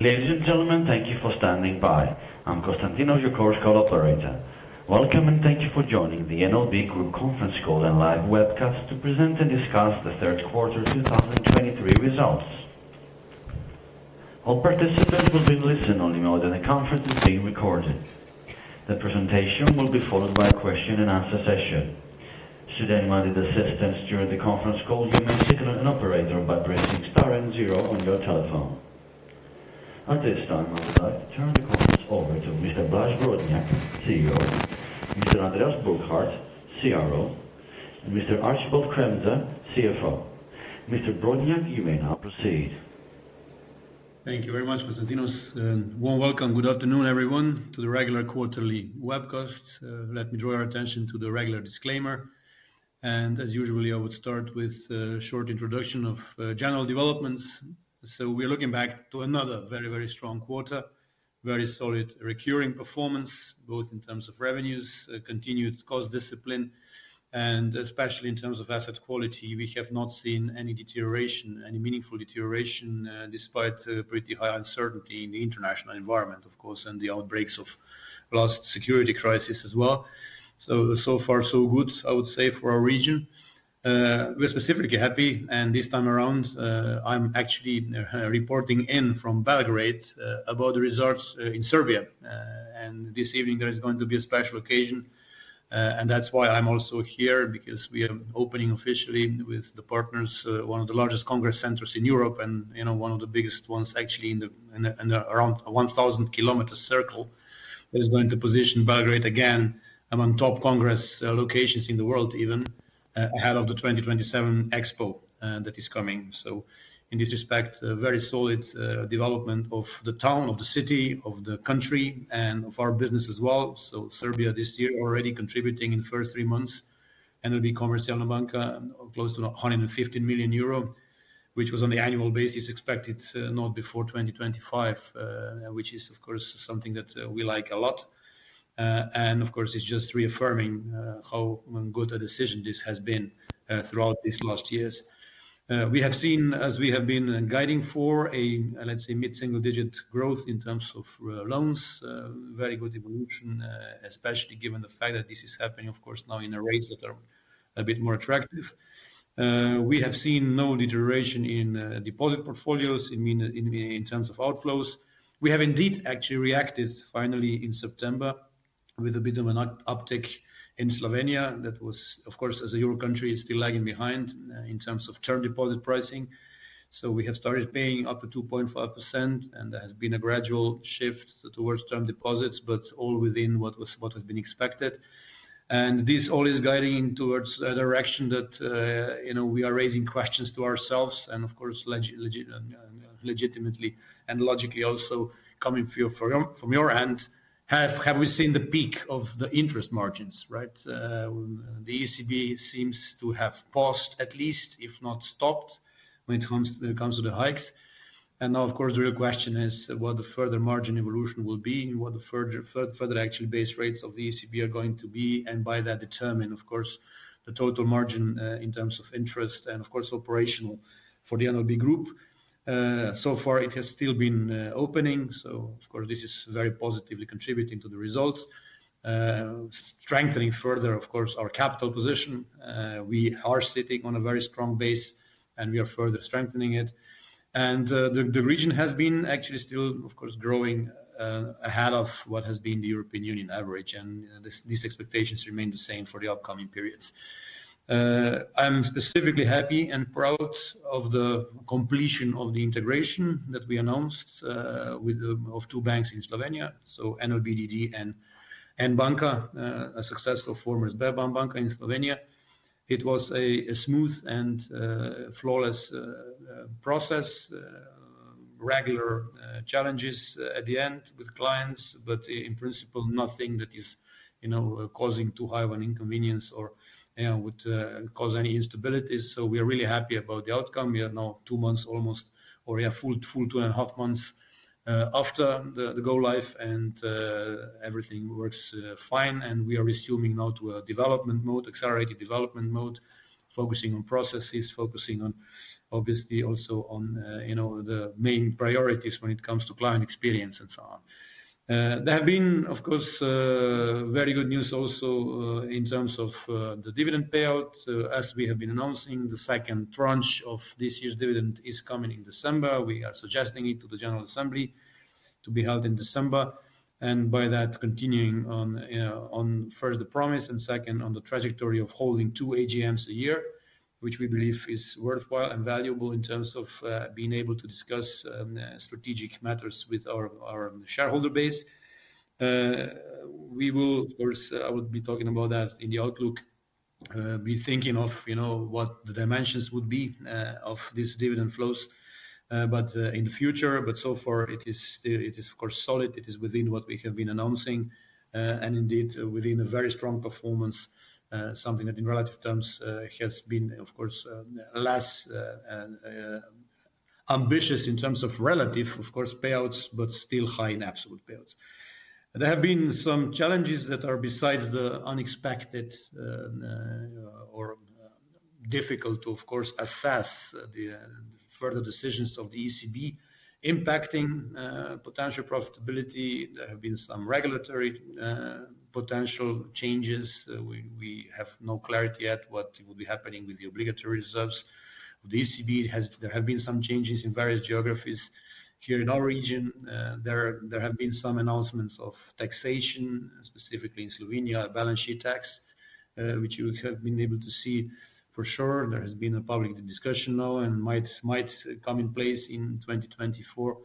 Ladies and gentlemen, thank you for standing by. I'm Constantinos, your conference call operator. Welcome, and thank you for joining the NLB Group conference call and live webcast to present and discuss the third quarter 2023 results. All participants will be in listen-only mode, and the conference is being recorded. The presentation will be followed by a question-and-answer session. Should anyone need assistance during the conference call, you may signal an operator by pressing star and zero on your telephone. At this time, I would like to turn the conference over to Mr. Blaž Brodnjak, CEO, Mr. Andreas Burkhardt, CRO, and Mr. Archibald Kremser, CFO. Mr. Brodnjak, you may now proceed. Thank you very much, Constantinos, and warm welcome. Good afternoon, everyone, to the regular quarterly webcast. Let me draw your attention to the regular disclaimer, and as usually, I would start with a short introduction of, general developments. So we're looking back to another very, very strong quarter, very solid recurring performance, both in terms of revenues, continued cost discipline, and especially in terms of asset quality. We have not seen any deterioration, any meaningful deterioration, despite, pretty high uncertainty in the international environment, of course, and the outbreaks of last security crisis as well. So, so far, so good, I would say, for our region. We're specifically happy, and this time around, I'm actually, reporting in from Belgrade, about the results, in Serbia. And this evening, there is going to be a special occasion, and that's why I'm also here, because we are opening officially with the partners, one of the largest congress centers in Europe, and, you know, one of the biggest ones actually in the around 1,000 kilometer circle, that is going to position Belgrade again among top congress locations in the world, even ahead of the 2027 Expo that is coming. So in this respect, a very solid development of the town, of the city, of the country, and of our business as well. So Serbia, this year, already contributing in the first three months, NLB Komercijalna Banka, close to 150 million euro, which was on the annual basis, expected not before 2025. Which is, of course, something that we like a lot. And of course, it's just reaffirming how good a decision this has been throughout these last years. We have seen, as we have been guiding for a, let's say, mid-single-digit growth in terms of loans, very good evolution, especially given the fact that this is happening, of course, now in rates that are a bit more attractive. We have seen no deterioration in deposit portfolios in terms of outflows. We have indeed actually reacted finally in September with a bit of an uptick in Slovenia. That was, of course, as a Euro country, is still lagging behind in terms of term deposit pricing. So we have started paying up to 2.5%, and there has been a gradual shift towards term deposits, but all within what was, what has been expected. And this all is guiding towards a direction that, you know, we are raising questions to ourselves and, of course, legitimately and logically also coming from your, from your end. Have we seen the peak of the interest margins, right? The ECB seems to have paused, at least, if not stopped, when it comes to the hikes. And now, of course, the real question is what the further margin evolution will be and what the further actual base rates of the ECB are going to be, and by that determine, of course, the total margin in terms of interest and, of course, operational for the NLB Group. So far, it has still been opening. So of course, this is very positively contributing to the results. Strengthening further, of course, our capital position. We are sitting on a very strong base, and we are further strengthening it. And, the region has been actually still, of course, growing ahead of what has been the European Union average, and these expectations remain the same for the upcoming periods. I'm specifically happy and proud of the completion of the integration that we announced with the of two banks in Slovenia, so NLB d.d. and N Banka, a successful former Sberbank Banka in Slovenia. It was a smooth and flawless process. Regular challenges at the end with clients, but in principle, nothing that is, you know, causing too high of an inconvenience or, you know, would cause any instabilities. So we are really happy about the outcome. We are now two months, almost, or, yeah, full two and a half months after the go live and everything works fine, and we are resuming now to a development mode, accelerated development mode, focusing on processes, focusing on obviously also on, you know, the main priorities when it comes to client experience and so on. There have been, of course, very good news also in terms of the dividend payout. As we have been announcing, the second tranche of this year's dividend is coming in December. We are suggesting it to the General Assembly to be held in December, and by that, continuing on, first, the promise, and second, on the trajectory of holding two AGMs a year, which we believe is worthwhile and valuable in terms of, being able to discuss, strategic matters with our, our shareholder base. We will, of course, I would be talking about that in the outlook. Be thinking of, you know, what the dimensions would be, of these dividend flows, but, in the future, but so far it is still, It is, of course, solid. It is within what we have been announcing, and indeed, within a very strong performance, something that in relative terms, has been, of course, less ambitious in terms of relative, of course, payouts, but still high in absolute payouts. There have been some challenges that are besides the unexpected, difficult to, of course, assess the further decisions of the ECB impacting potential profitability. There have been some regulatory potential changes. We have no clarity yet what will be happening with the obligatory reserves. The ECB has. There have been some changes in various geographies. Here in our region, there have been some announcements of taxation, specifically in Slovenia, a balance sheet tax, which you have been able to see. For sure, there has been a public discussion now and might come in place in 2024.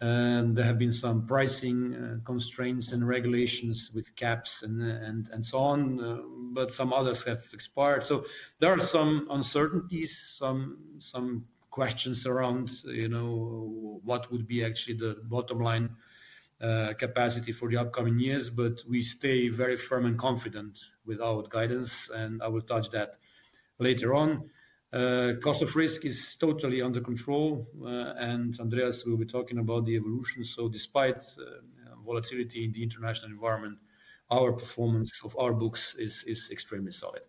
And there have been some pricing constraints and regulations with caps and so on, but some others have expired. So there are some uncertainties, some questions around, you know, what would be actually the bottom line capacity for the upcoming years. But we stay very firm and confident with our guidance, and I will touch that later on. Cost of risk is totally under control, and Andreas will be talking about the evolution. So despite volatility in the international environment, our performance of our books is extremely solid.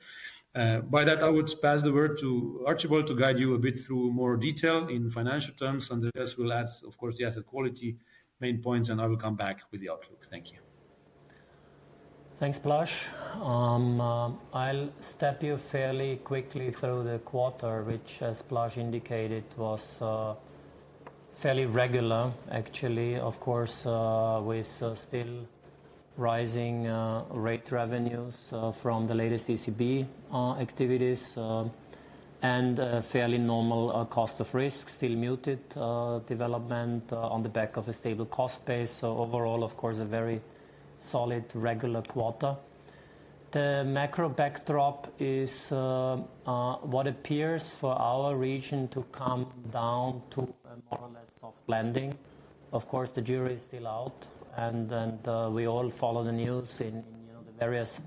By that, I would pass the word to Archibald to guide you a bit through more detail in financial terms. Andreas will add, of course, the asset quality main points, and I will come back with the outlook. Thank you. Thanks, Blaž. I'll step you fairly quickly through the quarter, which, as Blaž indicated, was fairly regular, actually. Of course, with still rising rate revenues from the latest ECB activities, and a fairly normal cost of risk, still muted development on the back of a stable cost base. So overall, of course, a very solid, regular quarter. The macro backdrop is what appears for our region to come down to a more or less soft landing. Of course, the jury is still out, and then we all follow the news in, you know, the various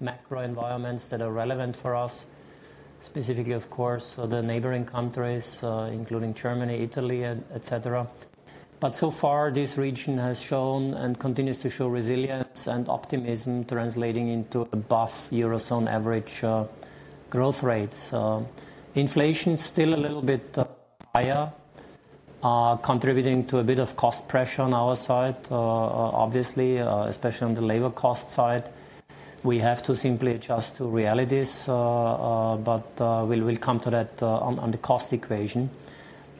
macro environments that are relevant for us, specifically, of course, the neighboring countries, including Germany, Italy, etc. But so far, this region has shown and continues to show resilience and optimism, translating into above Eurozone average growth rates. Inflation still a little bit higher, contributing to a bit of cost pressure on our side, obviously, especially on the labor cost side. We have to simply adjust to realities, but we will come to that on the cost equation.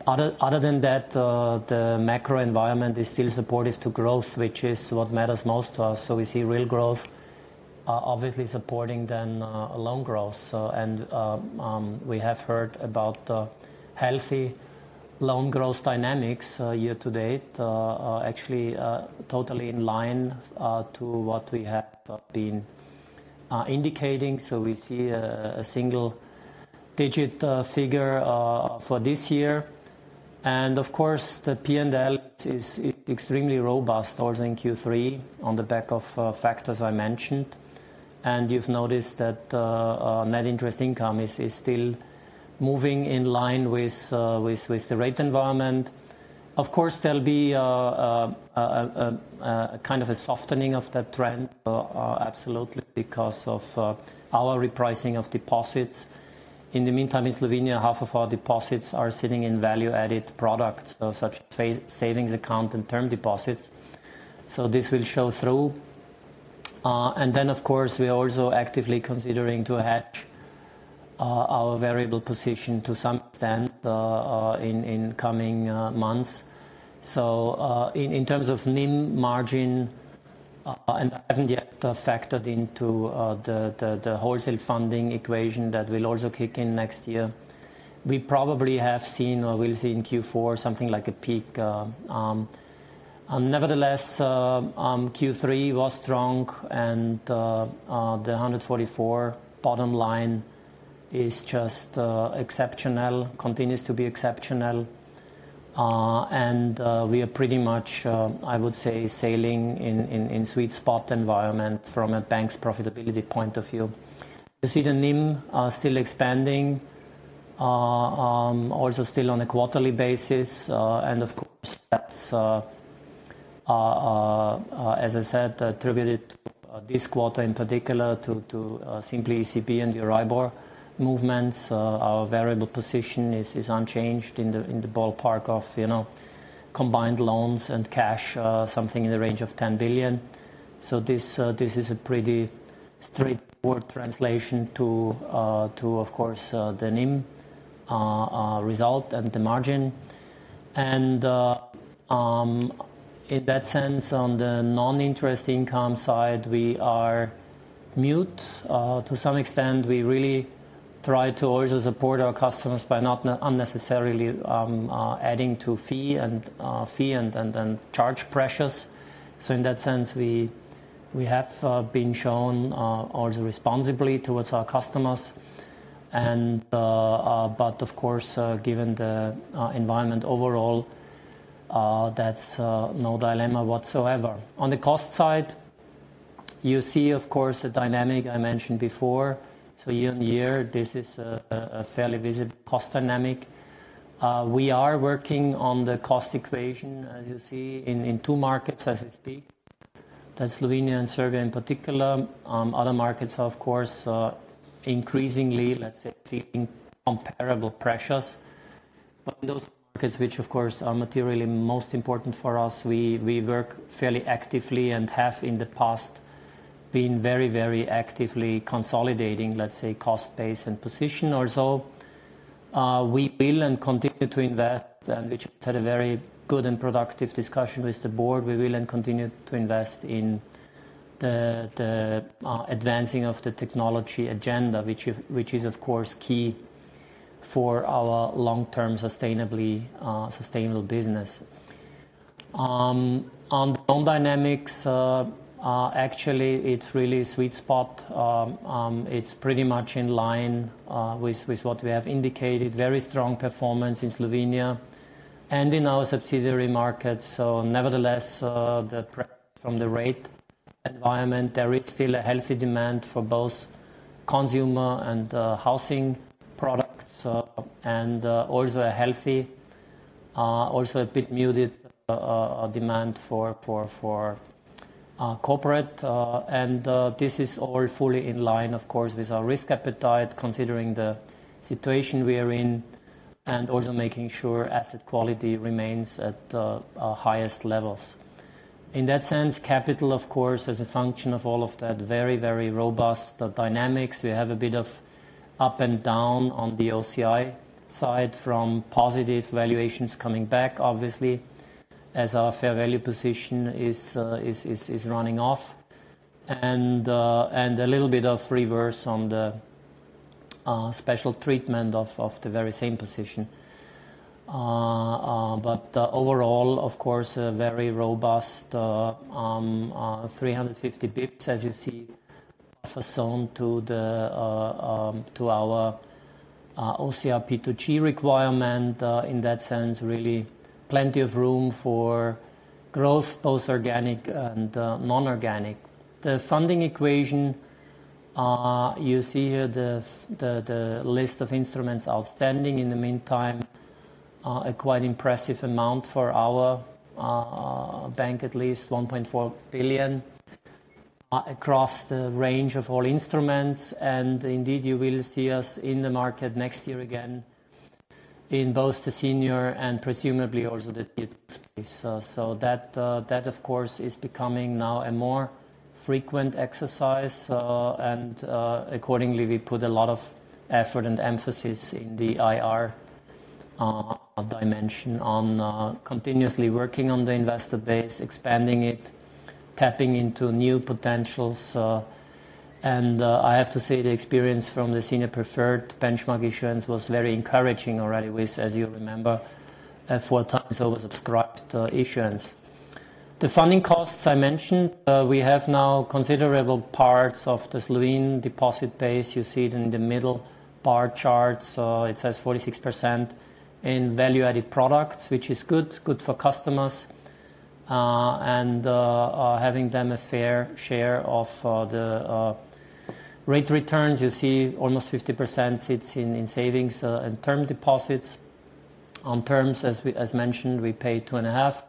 Other than that, the macro environment is still supportive to growth, which is what matters most to us. So we see real growth, obviously supporting then loan growth. So, and, we have heard about healthy loan growth dynamics year to date, actually, totally in line to what we have been indicating. So we see a single digit figure for this year. Of course, the PNL is extremely robust also in Q3 on the back of factors I mentioned. You've noticed that net interest income is still moving in line with the rate environment. Of course, there'll be a kind of a softening of that trend, absolutely, because of our repricing of deposits. In the meantime, in Slovenia, half of our deposits are sitting in value-added products such as savings account and term deposits, so this will show through. Then, of course, we are also actively considering to hedge our variable position to some extent in coming months. So, in terms of NIM margin, and haven't yet factored into the wholesale funding equation that will also kick in next year, we probably have seen or will see in Q4 something like a peak. Nevertheless, Q3 was strong and the 144 bottom line is just exceptional, continues to be exceptional. And we are pretty much, I would say, sailing in sweet spot environment from a bank's profitability point of view. You see the NIM still expanding, also still on a quarterly basis. And of course, that's, as I said, attributed this quarter in particular to simply ECB and the EURIBOR movements. Our variable position is unchanged in the ballpark of, you know, combined loans and cash, something in the range of 10 billion. So this is a pretty straightforward translation to, of course, the NIM result and the margin. In that sense, on the non-interest income side, we are mute. To some extent, we really try to always support our customers by not unnecessarily adding to fee and charge pressures. So in that sense, we have been shown also responsibly towards our customers. But of course, given the environment overall, that's no dilemma whatsoever. On the cost side, you see, of course, a dynamic I mentioned before. So year on year, this is a fairly visible cost dynamic. We are working on the cost equation, as you see, in two markets, as we speak, that Slovenia and Serbia in particular, other markets, of course, are increasingly, let's say, seeing comparable pressures. But those markets, which of course, are materially most important for us, we work fairly actively and have in the past been very, very actively consolidating, let's say, cost base and position or so. We build and continue to invest, and which had a very good and productive discussion with the board. We will and continue to invest in the advancing of the technology agenda, which is of course key for our long-term, sustainably sustainable business. On loan dynamics, actually, it's really a sweet spot. It's pretty much in line with what we have indicated. Very strong performance in Slovenia and in our subsidiary markets. So nevertheless, from the rate environment, there is still a healthy demand for both consumer and housing products, and also a healthy, also a bit muted, demand for corporate. And this is all fully in line, of course, with our risk appetite, considering the situation we are in, and also making sure asset quality remains at the highest levels. In that sense, capital, of course, as a function of all of that, very, very robust dynamics. We have a bit of up and down on the OCI side from positive valuations coming back, obviously, as our fair value position is running off. A little bit of reverse on the special treatment of the very same position. But overall, of course, a very robust 350 bps, as you see, from CET1 to our OCR P2G requirement. In that sense, really plenty of room for growth, both organic and non-organic. The funding equation, you see here the list of instruments outstanding. In the meantime, a quite impressive amount for our bank, at least 1.4 billion across the range of all instruments. And indeed, you will see us in the market next year again, in both the senior and presumably also the space. So, so that, that of course, is becoming now a more frequent exercise, and, accordingly, we put a lot of effort and emphasis in the IR dimension on continuously working on the investor base, expanding it, tapping into new potentials. And, I have to say, the experience from the senior preferred benchmark issuance was very encouraging already with, as you remember, four times oversubscribed issuance. The funding costs I mentioned, we have now considerable parts of the Slovene deposit base. You see it in the middle bar chart, so it says 46% in value-added products, which is good, good for customers. And, having them a fair share of the rate returns, you see almost 50% sits in savings and term deposits. On terms, as we, as mentioned, we pay 2.5.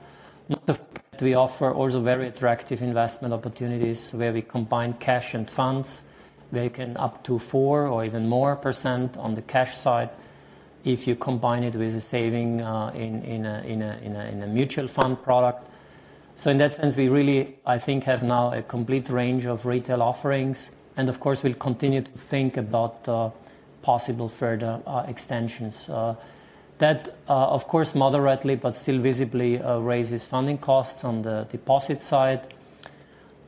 Note that we offer also very attractive investment opportunities, where we combine cash and funds, where you can up to 4% or even more on the cash side, if you combine it with a saving in a mutual fund product. So in that sense, we really, I think, have now a complete range of retail offerings, and of course, we'll continue to think about possible further extensions. That, of course, moderately, but still visibly, raises funding costs on the deposit side.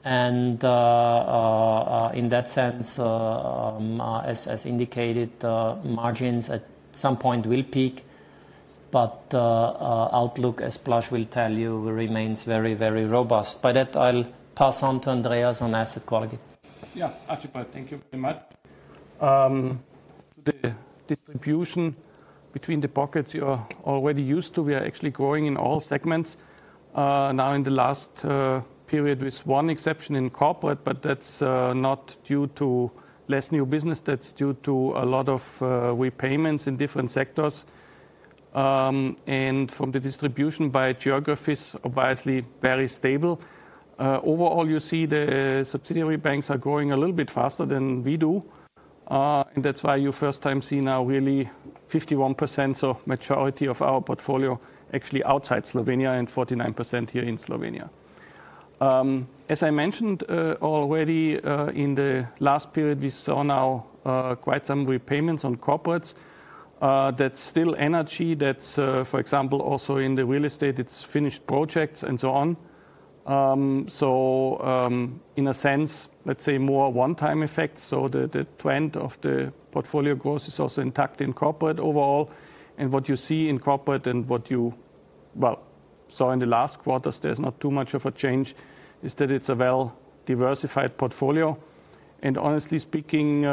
And in that sense, as indicated, margins at some point will peak, but outlook, as Blaž will tell you, remains very, very robust. By that, I'll pass on to Andreas on asset quality. Yeah, Archibald, thank you very much. The distribution between the pockets you are already used to, we are actually growing in all segments. Now, in the last period, with one exception in corporate, but that's not due to less new business, that's due to a lot of repayments in different sectors. And from the distribution by geographies, obviously very stable. Overall, you see the subsidiary banks are growing a little bit faster than we do. And that's why you first time see now really 51%, so majority of our portfolio, actually outside Slovenia and 49% here in Slovenia. As I mentioned already, in the last period, we saw now quite some repayments on corporates. That's still energy. That's, for example, also in the real estate, it's finished projects and so on. So, in a sense, let's say more one-time effects. So the trend of the portfolio growth is also intact in corporate overall. And what you see in corporate and what you, well, saw in the last quarter, there's not too much of a change, is that it's a well-diversified portfolio. And honestly speaking,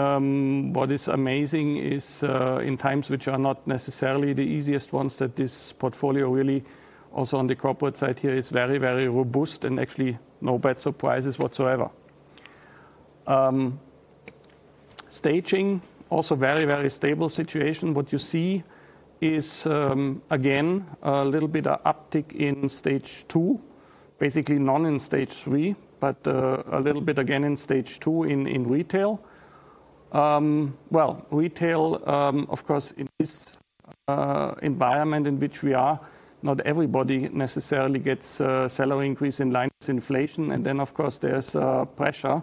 what is amazing is, in times which are not necessarily the easiest ones, that this portfolio really, also on the corporate side here, is very, very robust and actually no bad surprises whatsoever. Staging, also very, very stable situation. What you see is, again, a little bit of uptick in Stage Two, basically none in Stage Three, but, a little bit again in Stage Two in retail. Well, retail, of course, in this environment in which we are, not everybody necessarily gets a salary increase in line with inflation. And then, of course, there's pressure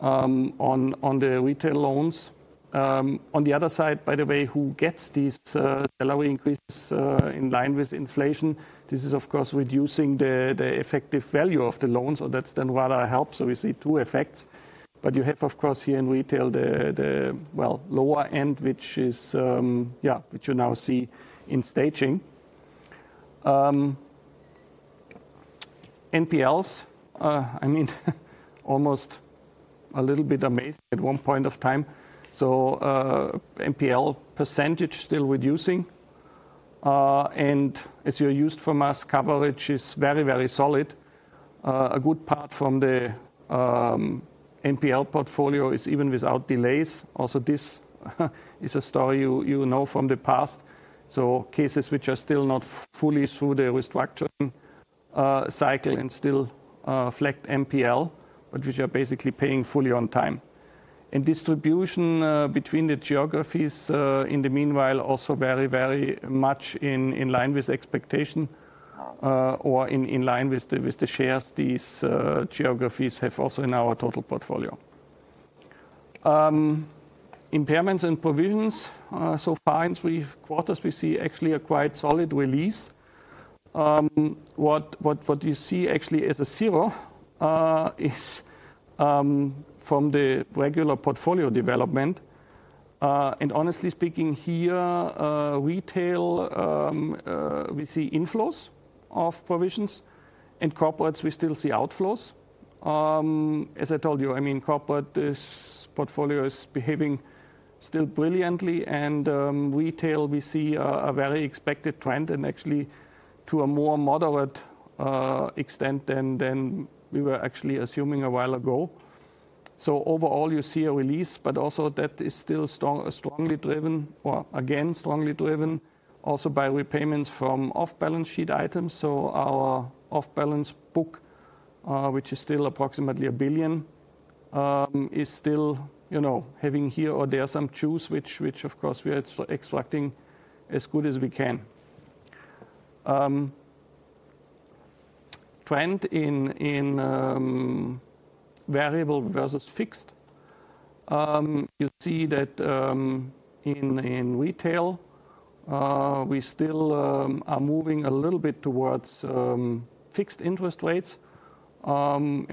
on the retail loans. On the other side, by the way, who gets these salary increase in line with inflation, this is of course reducing the effective value of the loans, so that's then rather helps, so we see two effects. But you have, of course, here in retail, the well, lower end, which is which you now see in staging. NPLs, I mean, almost a little bit amazed at one point of time. So, NPL percentage still reducing. And as you're used from us, coverage is very, very solid. A good part from the NPL portfolio is even without delays. Also, this is a story you know from the past. So cases which are still not fully through the restructuring cycle and still reflect NPL, but which are basically paying fully on time. Distribution between the geographies, in the meanwhile, also very much in line with expectation, or in line with the shares these geographies have also in our total portfolio. Impairments and provisions, so far in three quarters, we see actually a quite solid release. What you see actually as a zero is from the regular portfolio development. And honestly speaking here, retail, we see inflows of provisions, and corporates, we still see outflows. As I told you, I mean, corporate portfolio is behaving still brilliantly, and retail, we see a very expected trend, and actually to a more moderate extent than we were actually assuming a while ago. So overall, you see a release, but also that is still strongly driven, or again, strongly driven, also by repayments from off-balance sheet items. So our off-balance book, which is still approximately 1 billion, is still, you know, having here or there some juice, which of course, we are extracting as good as we can. Trend in variable versus fixed. You see that, in retail, we still are moving a little bit towards fixed interest rates. On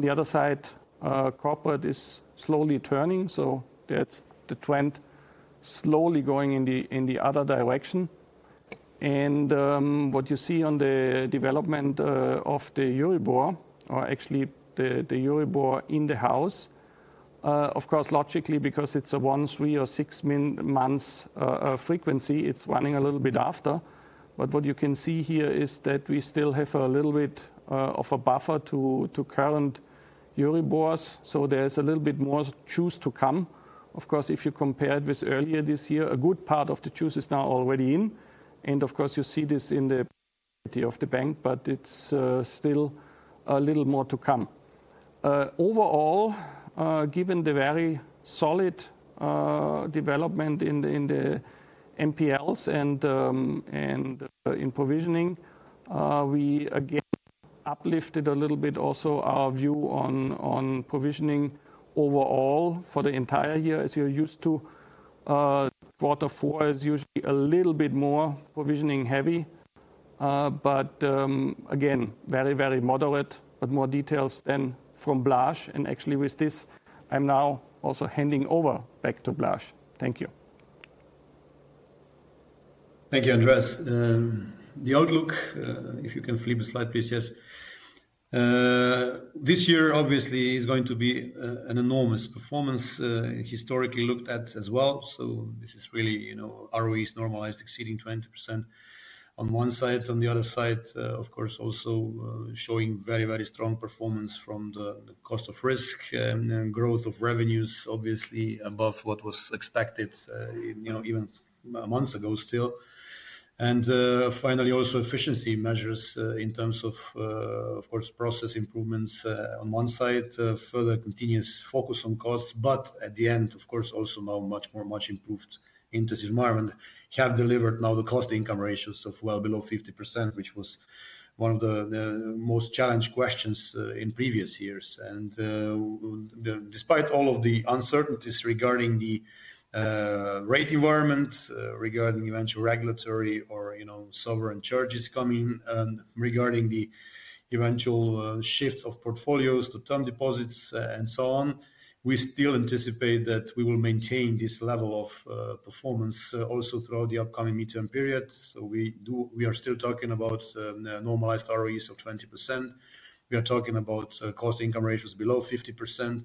the other side, corporate is slowly turning, so that's the trend slowly going in the other direction. And what you see on the development of the EURIBOR, or actually the EURIBOR in the house, of course, logically, because it's a 1, 3 or 6 months frequency, it's running a little bit after. But what you can see here is that we still have a little bit of a buffer to current EURIBORs, so there is a little bit more juice to come. Of course, if you compare it with earlier this year, a good part of the juice is now already in. And of course, you see this in the of the bank, but it's still a little more to come. Overall, given the very solid development in the NPLs and in provisioning, we again uplifted a little bit also our view on provisioning overall for the entire year. As you're used to, quarter four is usually a little bit more provisioning heavy, but again, very, very moderate, but more details then from Blaž. And actually with this, I'm now also handing over back to Blaž. Thank you. Thank you, Andreas. The outlook, if you can flip the slide, please, yes. This year obviously is going to be an enormous performance, historically looked at as well. So this is really, you know, ROEs normalized, exceeding 20% on one side. On the other side, of course, also, showing very, very strong performance from the cost of risk, and growth of revenues, obviously above what was expected, you know, even months ago still. And, finally, also efficiency measures, in terms of, of course, process improvements, on one side, further continuous focus on costs, but at the end, of course, also now much more, much improved interest environment, have delivered now the cost-to-income ratios of well below 50%, which was one of the, the most challenged questions, in previous years. Despite all of the uncertainties regarding the rate environment, regarding eventual regulatory or, you know, sovereign charges coming, and regarding the eventual shifts of portfolios to term deposits, and so on, we still anticipate that we will maintain this level of performance also throughout the upcoming midterm period. So we are still talking about normalized ROEs of 20%. We are talking about cost-income ratios below 50%.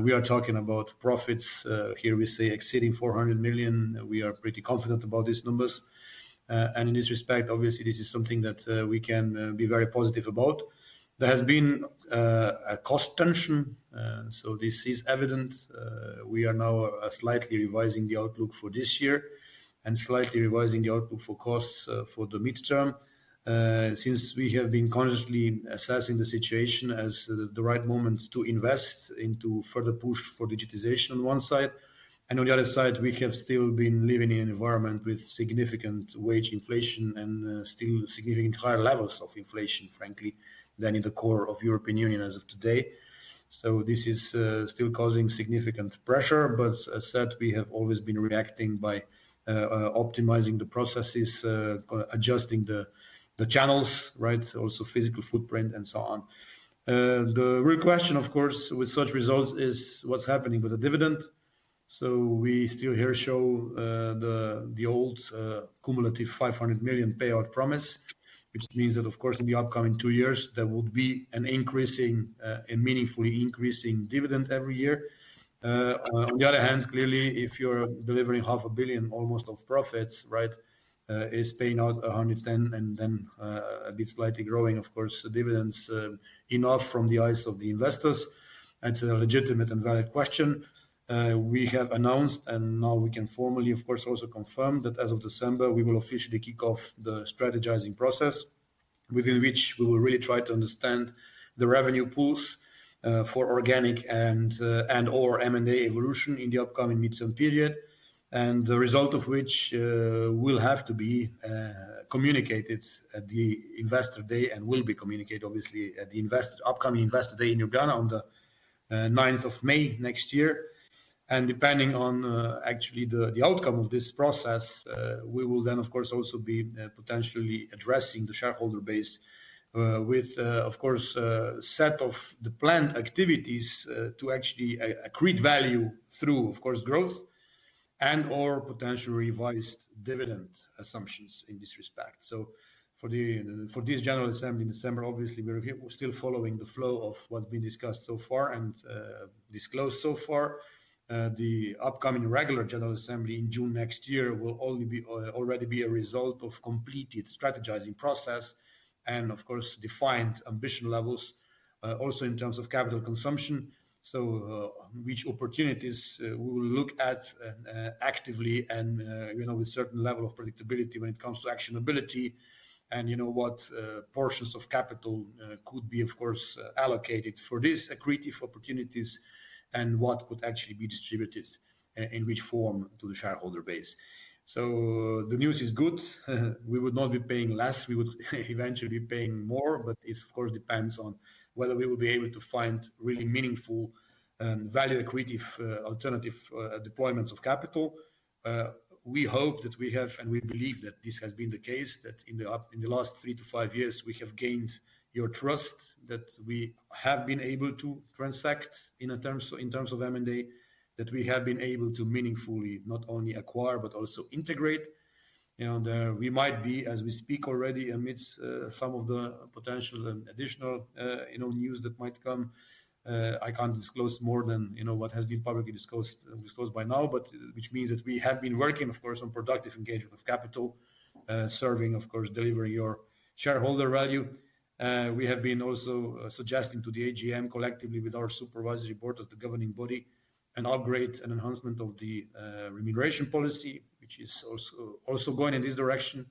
We are talking about profits here we say exceeding 400 million. We are pretty confident about these numbers. And in this respect, obviously, this is something that we can be very positive about. There has been a cost tension, so this is evident. We are now slightly revising the outlook for this year and slightly revising the outlook for costs for the midterm. Since we have been consciously assessing the situation as the right moment to invest into further push for digitization on one side. And on the other side, we have still been living in an environment with significant wage inflation and still significant higher levels of inflation, frankly, than in the core of European Union as of today. So this is still causing significant pressure, but as said, we have always been reacting by optimizing the processes, adjusting the channels, right? Also physical footprint and so on. The real question, of course, with such results is what's happening with the dividend. So we still here show the old cumulative 500 million payout promise, which means that, of course, in the upcoming two years, there will be an increasing a meaningfully increasing dividend every year. On the other hand, clearly, if you're delivering almost EUR 500 million of profits, right? Is paying out 110 million and then a bit slightly growing, of course, the dividends enough from the eyes of the investors, that's a legitimate and valid question. We have announced, and now we can formally, of course, also confirm that as of December, we will officially kick off the strategizing process, within which we will really try to understand the revenue pools for organic and/or M&A evolution in the upcoming mid-term period, and the result of which will have to be communicated at the Investor Day and will be communicated, obviously, at the upcoming Investor Day in Ljubljana on the ninth of May next year. And depending on actually the outcome of this process, we will then, of course, also be potentially addressing the shareholder base with, of course, a set of the planned activities to actually accrete value through, of course, growth and/or potentially revised dividend assumptions in this respect. So for the, for this general assembly in December, obviously, we're still following the flow of what's been discussed so far and disclosed so far. The upcoming regular general assembly in June next year will only be already be a result of completed strategizing process and, of course, defined ambition levels, also in terms of capital consumption. So, which opportunities we will look at actively and, you know, with certain level of predictability when it comes to actionability, and you know, what portions of capital could be, of course, allocated for these accretive opportunities and what could actually be distributed, and which form to the shareholder base. So the news is good. We would not be paying less. We would eventually be paying more, but this, of course, depends on whether we will be able to find really meaningful and value accretive alternative deployments of capital. We hope that we have, and we believe that this has been the case, that in the last 3-5 years, we have gained your trust, that we have been able to transact in terms of, in terms of M&A, that we have been able to meaningfully not only acquire, but also integrate. You know, there we might be, as we speak already, amidst some of the potential and additional, you know, news that might come. I can't disclose more than, you know, what has been publicly disclosed by now, but which means that we have been working, of course, on productive engagement of capital, serving, of course, delivering your shareholder value. We have been also suggesting to the AGM collectively with our supervisory board as the governing body an upgrade and enhancement of the remuneration policy, which is also going in this direction,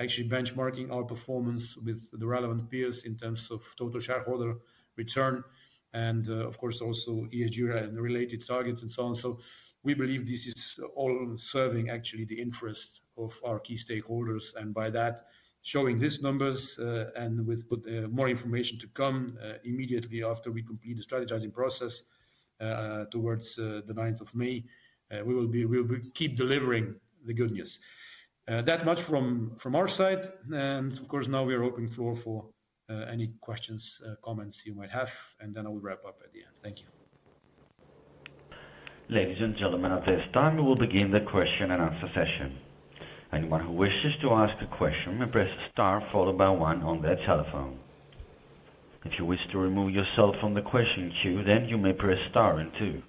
actually benchmarking our performance with the relevant peers in terms of total shareholder return and, of course, also ESG rating and related targets and so on. We believe this is all serving actually the interest of our key stakeholders, and by that, showing these numbers, and with more information to come, immediately after we complete the strategizing process, towards the ninth of May, we will keep delivering the good news. That much from our side, and of course, now the floor is open for any questions, comments you might have, and then I will wrap up at the end. Thank you. Ladies and gentlemen, at this time, we will begin the question and answer session. Anyone who wishes to ask a question may press star followed by one on their telephone. If you wish to remove yourself from the question queue, then you may press star and two.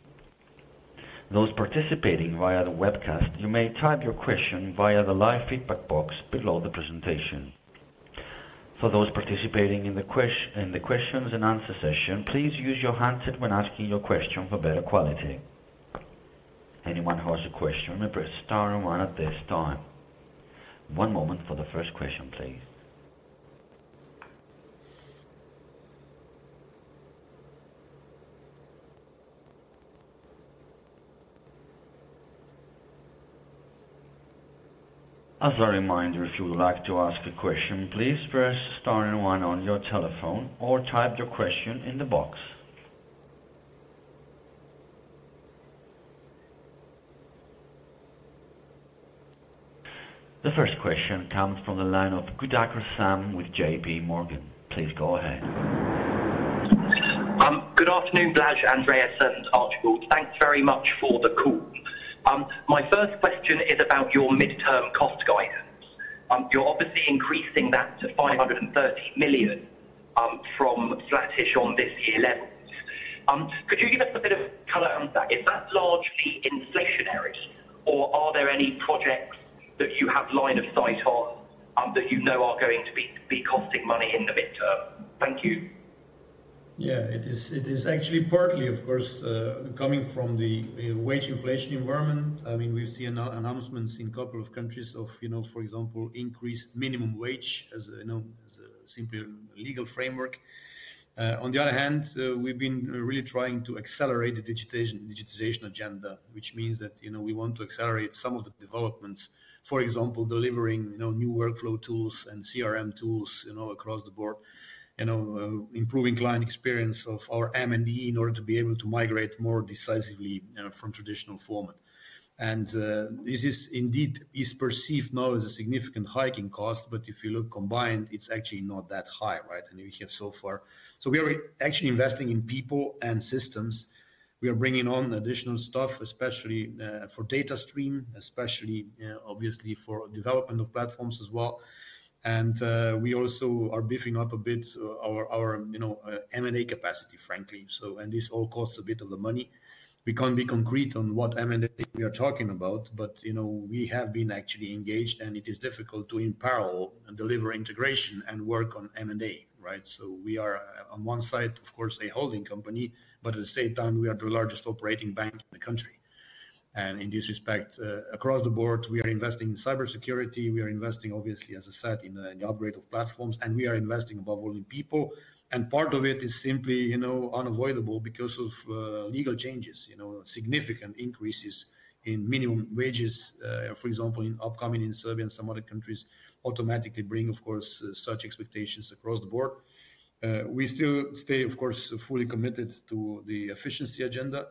Those participating via the webcast, you may type your question via the live feedback box below the presentation. For those participating in the questions and answer session, please use your handset when asking your question for better quality. Anyone who has a question may press star and one at this time. One moment for the first question, please. As a reminder, if you would like to ask a question, please press star and one on your telephone or type your question in the box. The first question comes from the line of Goodacre Sam with JPMorgan. Please go ahead. Good afternoon, Blaž, Andreas, and Archibald. Thanks very much for the call. My first question is about your midterm cost guidance. You're obviously increasing that to 530 million, from flattish on this year levels. Could you give us a bit of color on that? Is that largely inflationary, or are there any projects that you have line of sight on, that you know are going to be costing money in the midterm? Thank you. Yeah, it is, it is actually partly, of course, coming from the wage inflation environment. I mean, we've seen announcements in a couple of countries of, you know, for example, increased minimum wage, as, you know, as a simple legal framework. On the other hand, we've been really trying to accelerate the digitization agenda, which means that, you know, we want to accelerate some of the developments. For example, delivering, you know, new workflow tools and CRM tools, you know, across the board. You know, improving client experience of our M&E in order to be able to migrate more decisively, you know, from traditional format. And this is indeed perceived now as a significant hike in cost, but if you look combined, it's actually not that high, right? And we have so far. So we are actually investing in people and systems. We are bringing on additional staff, especially, for data stream, especially, obviously for development of platforms as well. And, we also are beefing up a bit, our, our, you know, M&A capacity, frankly. So and this all costs a bit of the money. We can't be concrete on what M&A we are talking about, but, you know, we have been actually engaged, and it is difficult to empower and deliver integration and work on M&A, right? So we are on one side, of course, a holding company, but at the same time, we are the largest operating bank in the country. And in this respect, across the board, we are investing in cybersecurity, we are investing, obviously, as I said, in, in the upgrade of platforms, and we are investing above all in people. And part of it is simply, you know, unavoidable because of legal changes, you know, significant increases in minimum wages, for example, in upcoming in Serbia and some other countries, automatically bring, of course, such expectations across the board. We still stay, of course, fully committed to the efficiency agenda.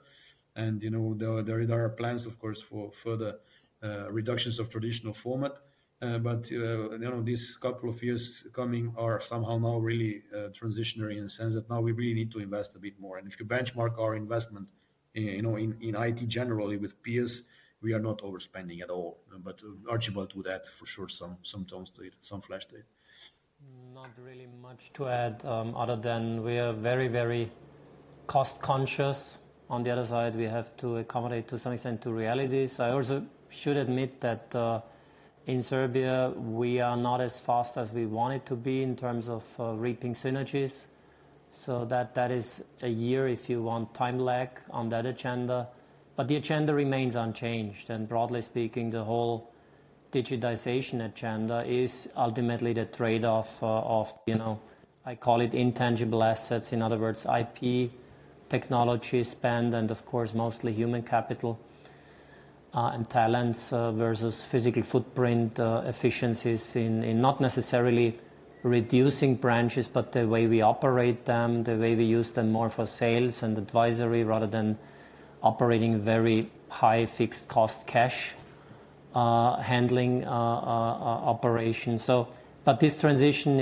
And, you know, there are plans, of course, for further reductions of traditional format. But, you know, these couple of years coming are somehow now really transitionary in the sense that now we really need to invest a bit more. And if you benchmark our investment, you know, in IT, generally with peers, we are not overspending at all. But Archibald would add for sure, some tones to it, some flesh to it. Not really much to add, other than we are very, very cost-conscious. On the other side, we have to accommodate to some extent, to reality. So I also should admit that, in Serbia, we are not as fast as we wanted to be in terms of, reaping synergies. So that, that is a year, if you want, time lag on that agenda. But the agenda remains unchanged, and broadly speaking, the whole digitization agenda is ultimately the trade-off, of, you know, I call it intangible assets. In other words, IP, technology spend, and of course, mostly human capital, and talents, versus physical footprint, efficiencies in, in not necessarily reducing branches, but the way we operate them, the way we use them more for sales and advisory rather than operating very high fixed cost cash, handling, operation. This transition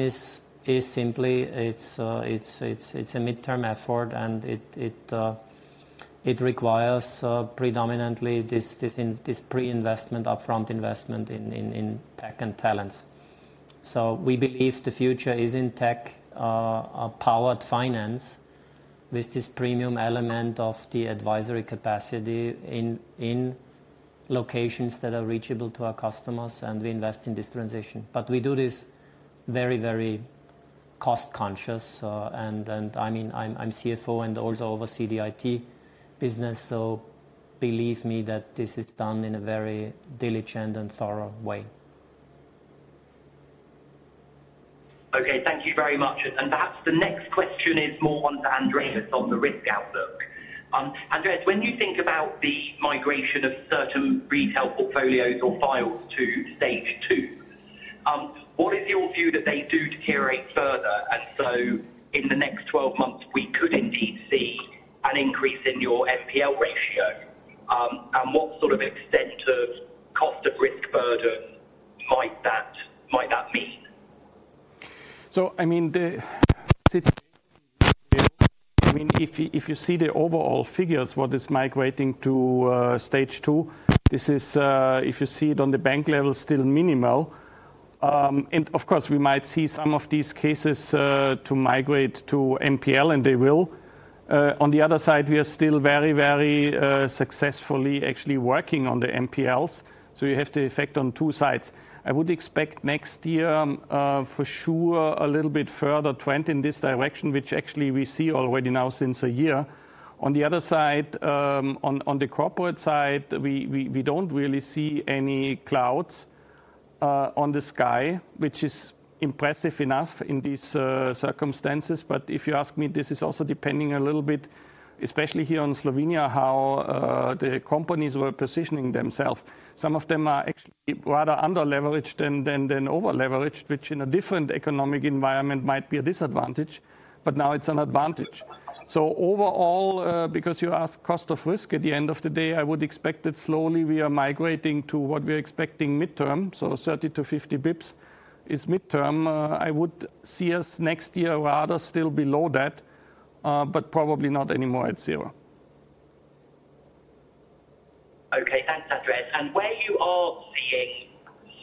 is simply it’s a midterm effort, and it requires predominantly this pre-investment, upfront investment in tech and talents. So we believe the future is in tech-powered finance with this premium element of the advisory capacity in locations that are reachable to our customers, and we invest in this transition. But we do this very, very cost-conscious, and I mean, I’m CFO and also oversee the IT business, so believe me that this is done in a very diligent and thorough way. Okay, thank you very much. And perhaps the next question is more on to Andreas on the risk outlook. Andreas, when you think about the migration of certain retail portfolios or files to Stage Two, what is your view that they do deteriorate further, and so in the next 12 months, we could indeed see an increase in your NPL ratio? And what sort of extent of cost of risk burden might that, might that mean? So, I mean, I mean, if you see the overall figures, what is migrating to Stage Two, this is, if you see it on the bank level, still minimal. And of course, we might see some of these cases to migrate to NPL, and they will. On the other side, we are still very, very, successfully actually working on the NPLs, so you have the effect on two sides. I would expect next year, for sure, a little bit further trend in this direction, which actually we see already now since a year. On the other side, on the corporate side, we don't really see any clouds on the sky, which is impressive enough in these circumstances. But if you ask me, this is also depending a little bit, especially here on Slovenia, how the companies were positioning themselves. Some of them are actually rather under leveraged than over leveraged, which in a different economic environment might be a disadvantage, but now it's an advantage. So overall, because you ask cost of risk, at the end of the day, I would expect that slowly we are migrating to what we're expecting midterm. So 30-50 basis points is midterm. I would see us next year rather still below that, but probably not anymore at zero. Okay, thanks, Andreas. And where you are seeing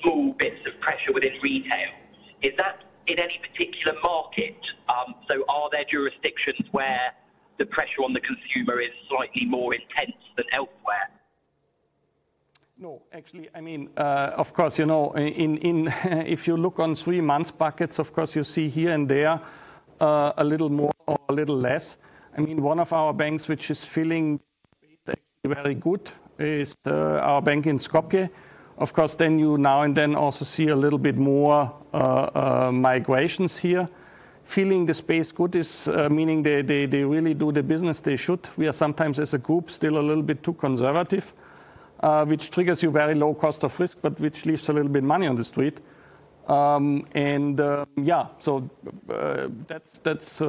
small bits of pressure within retail, is that in any particular market? So are there jurisdictions where the pressure on the consumer is slightly more intense than elsewhere? No, actually, I mean, of course, you know, in, in, if you look on three months buckets, of course, you see here and there, a little more or a little less. I mean, one of our banks, which is filling very good, is, our bank in Skopje. Of course, then you now and then also see a little bit more, migrations here. Filling the space good is, meaning they really do the business they should. We are sometimes, as a group, still a little bit too conservative, which triggers you very low cost of risk, but which leaves a little bit money on the street. And, so, that's,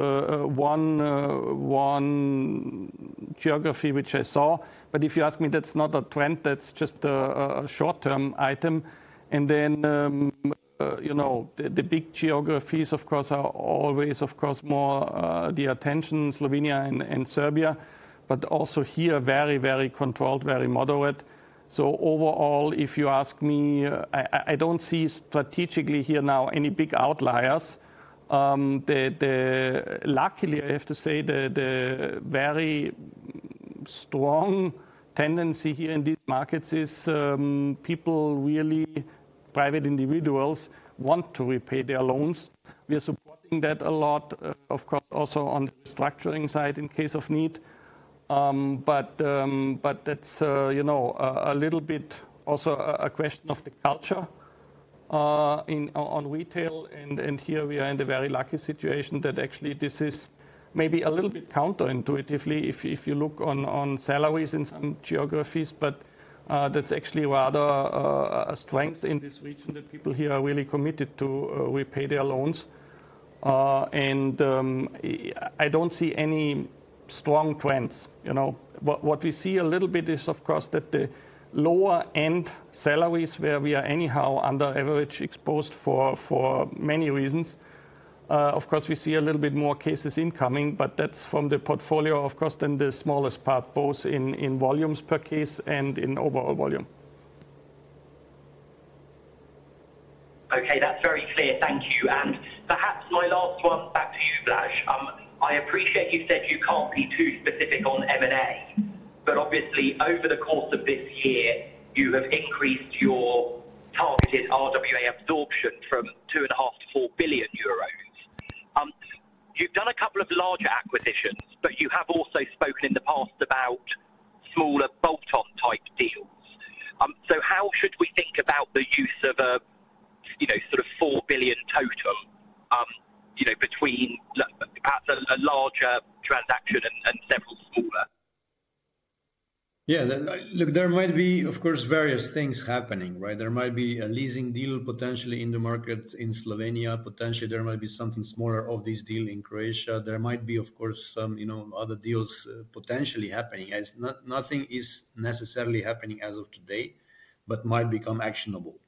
one geography, which I saw. But if you ask me, that's not a trend, that's just a short-term item. And then, you know, the big geographies, of course, are always, of course, more the attention, Slovenia and Serbia, but also here, very, very controlled, very moderate. So overall, if you ask me, I don't see strategically here now any big outliers. Luckily, I have to say, the very strong tendency here in these markets is people, really, private individuals, want to repay their loans. We are supporting that a lot, of course, also on the structuring side, in case of need. But that's, you know, a little bit also a question of the culture in on retail, and here we are in a very lucky situation that actually this is maybe a little bit counterintuitively, if you look on salaries in some geographies, but that's actually rather a strength in this region, that people here are really committed to repay their loans. And I don't see any strong trends, you know. What we see a little bit is, of course, that the lower-end salaries, where we are anyhow under average exposed for many reasons, of course, we see a little bit more cases incoming, but that's from the portfolio, of course, than the smallest part, both in volumes per case and in overall volume. Okay, that's very clear. Thank you. And perhaps my last one, back to you, Blaž. I appreciate you said you can't be too specific on M&A, but obviously, over the course of this year, you have increased your targeted RWA absorption from 2.5 billion to 4 billion euros. You've done a couple of larger acquisitions, but you have also spoken in the past about smaller bolt-on type deals. So how should we think about the use of a, you know, sort of 4 billion total, you know, between perhaps a larger transaction and several smaller? Yeah. Look, there might be, of course, various things happening, right? There might be a leasing deal potentially in the market in Slovenia. Potentially, there might be something smaller of this deal in Croatia. There might be, of course, some, you know, other deals potentially happening, as nothing is necessarily happening as of today, but might become actionable.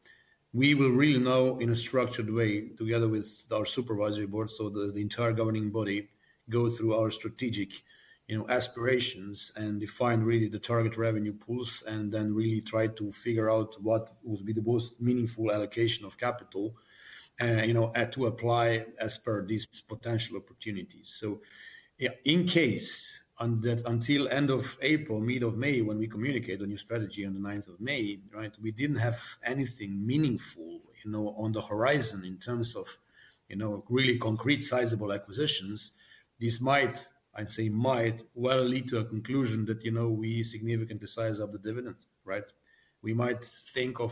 We will really know in a structured way, together with our supervisory board, so the, the entire governing body, go through our strategic, you know, aspirations and define really the target revenue pools, and then really try to figure out what would be the most meaningful allocation of capital, you know, and to apply as per these potential opportunities. So, yeah, in case on that, until end of April, mid of May, when we communicate the new strategy on the ninth of May, right? We didn't have anything meaningful, you know, on the horizon in terms of, you know, really concrete, sizable acquisitions. This might, I'd say, might well lead to a conclusion that, you know, we significantly size up the dividend, right? We might think of,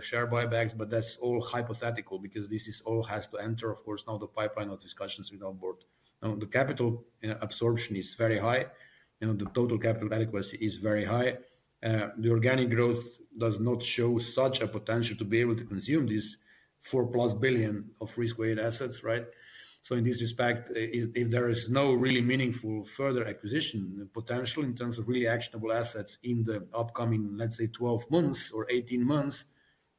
share buybacks, but that's all hypothetical because this is all has to enter, of course, now the pipeline of discussions with our board. Now, the capital, absorption is very high. You know, the total capital adequacy is very high. The organic growth does not show such a potential to be able to consume this 4+ billion of risk-weighted assets, right? So in this respect, if there is no really meaningful further acquisition potential in terms of really actionable assets in the upcoming, let's say, 12 months or 18 months,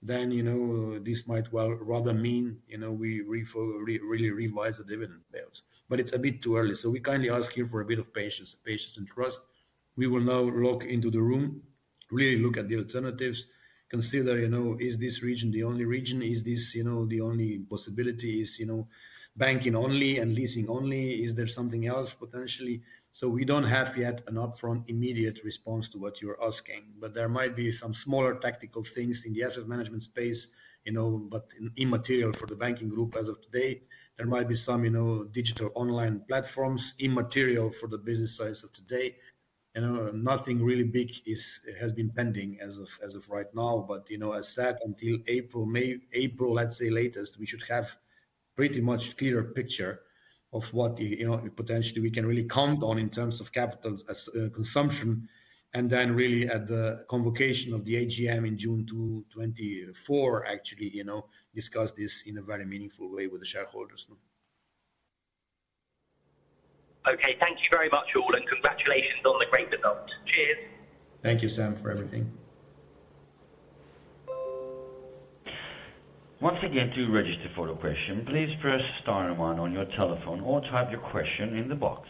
then, you know, this might well rather mean, you know, we really revise the dividend payouts. But it's a bit too early, so we kindly ask you for a bit of patience, patience and trust. We will now look into the room, really look at the alternatives, consider, you know, is this region the only region? Is this, you know, the only possibility? Is, you know, banking only and leasing only, is there something else potentially? So we don't have yet an upfront, immediate response to what you're asking, but there might be some smaller tactical things in the asset management space, you know, but immaterial for the banking group as of today. There might be some, you know, digital online platforms, immaterial for the business size of today. You know, nothing really big has been pending as of right now, but, you know, as said, until April, May. April, let's say latest, we should have pretty much clearer picture of what the, you know, potentially we can really count on in terms of capital as consumption, and then really at the convocation of the AGM in June 2024, actually, you know, discuss this in a very meaningful way with the shareholders, no? Okay, thank you very much, all, and congratulations on the great result. Cheers. Thank you, Sam, for everything. Once again, to register for a question, please press star and one on your telephone or type your question in the box.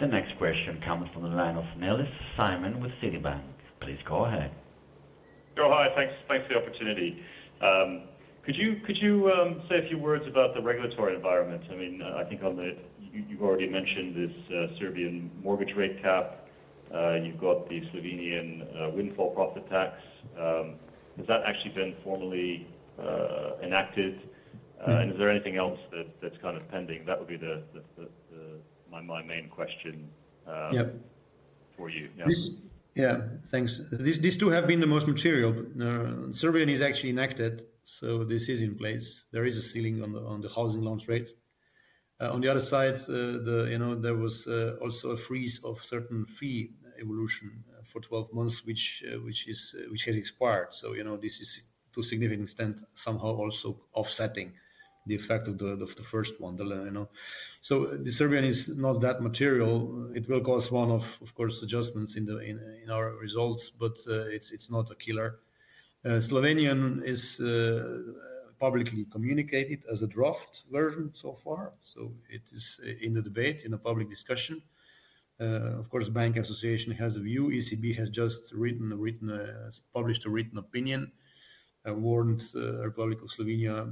The next question comes from the line of Nellis Simon with Citibank. Please go ahead. Oh, hi. Thanks, thanks for the opportunity. Could you say a few words about the regulatory environment? I mean, I think on the... You've already mentioned this, Serbian mortgage rate cap, and you've got the Slovenian windfall profit tax. Has that actually been formally enacted? Mm-hmm. And is there anything else that's kind of pending? That would be my main question. Yep. for you. Yeah. Yeah, thanks. These two have been the most material. But Serbian is actually enacted, so this is in place. There is a ceiling on the housing loan rates. On the other side, you know, there was also a freeze of certain fee evolution for 12 months, which has expired. So, you know, this is, to a significant extent, somehow also offsetting the effect of the first one, you know. So the Serbian is not that material. It will cause one of, of course, adjustments in our results, but it's not a killer. Slovenian is publicly communicated as a draft version so far, so it is in the debate, in a public discussion. Of course, the Bank Association has a view. ECB has just written a... published a written opinion, warned, Republic of Slovenia,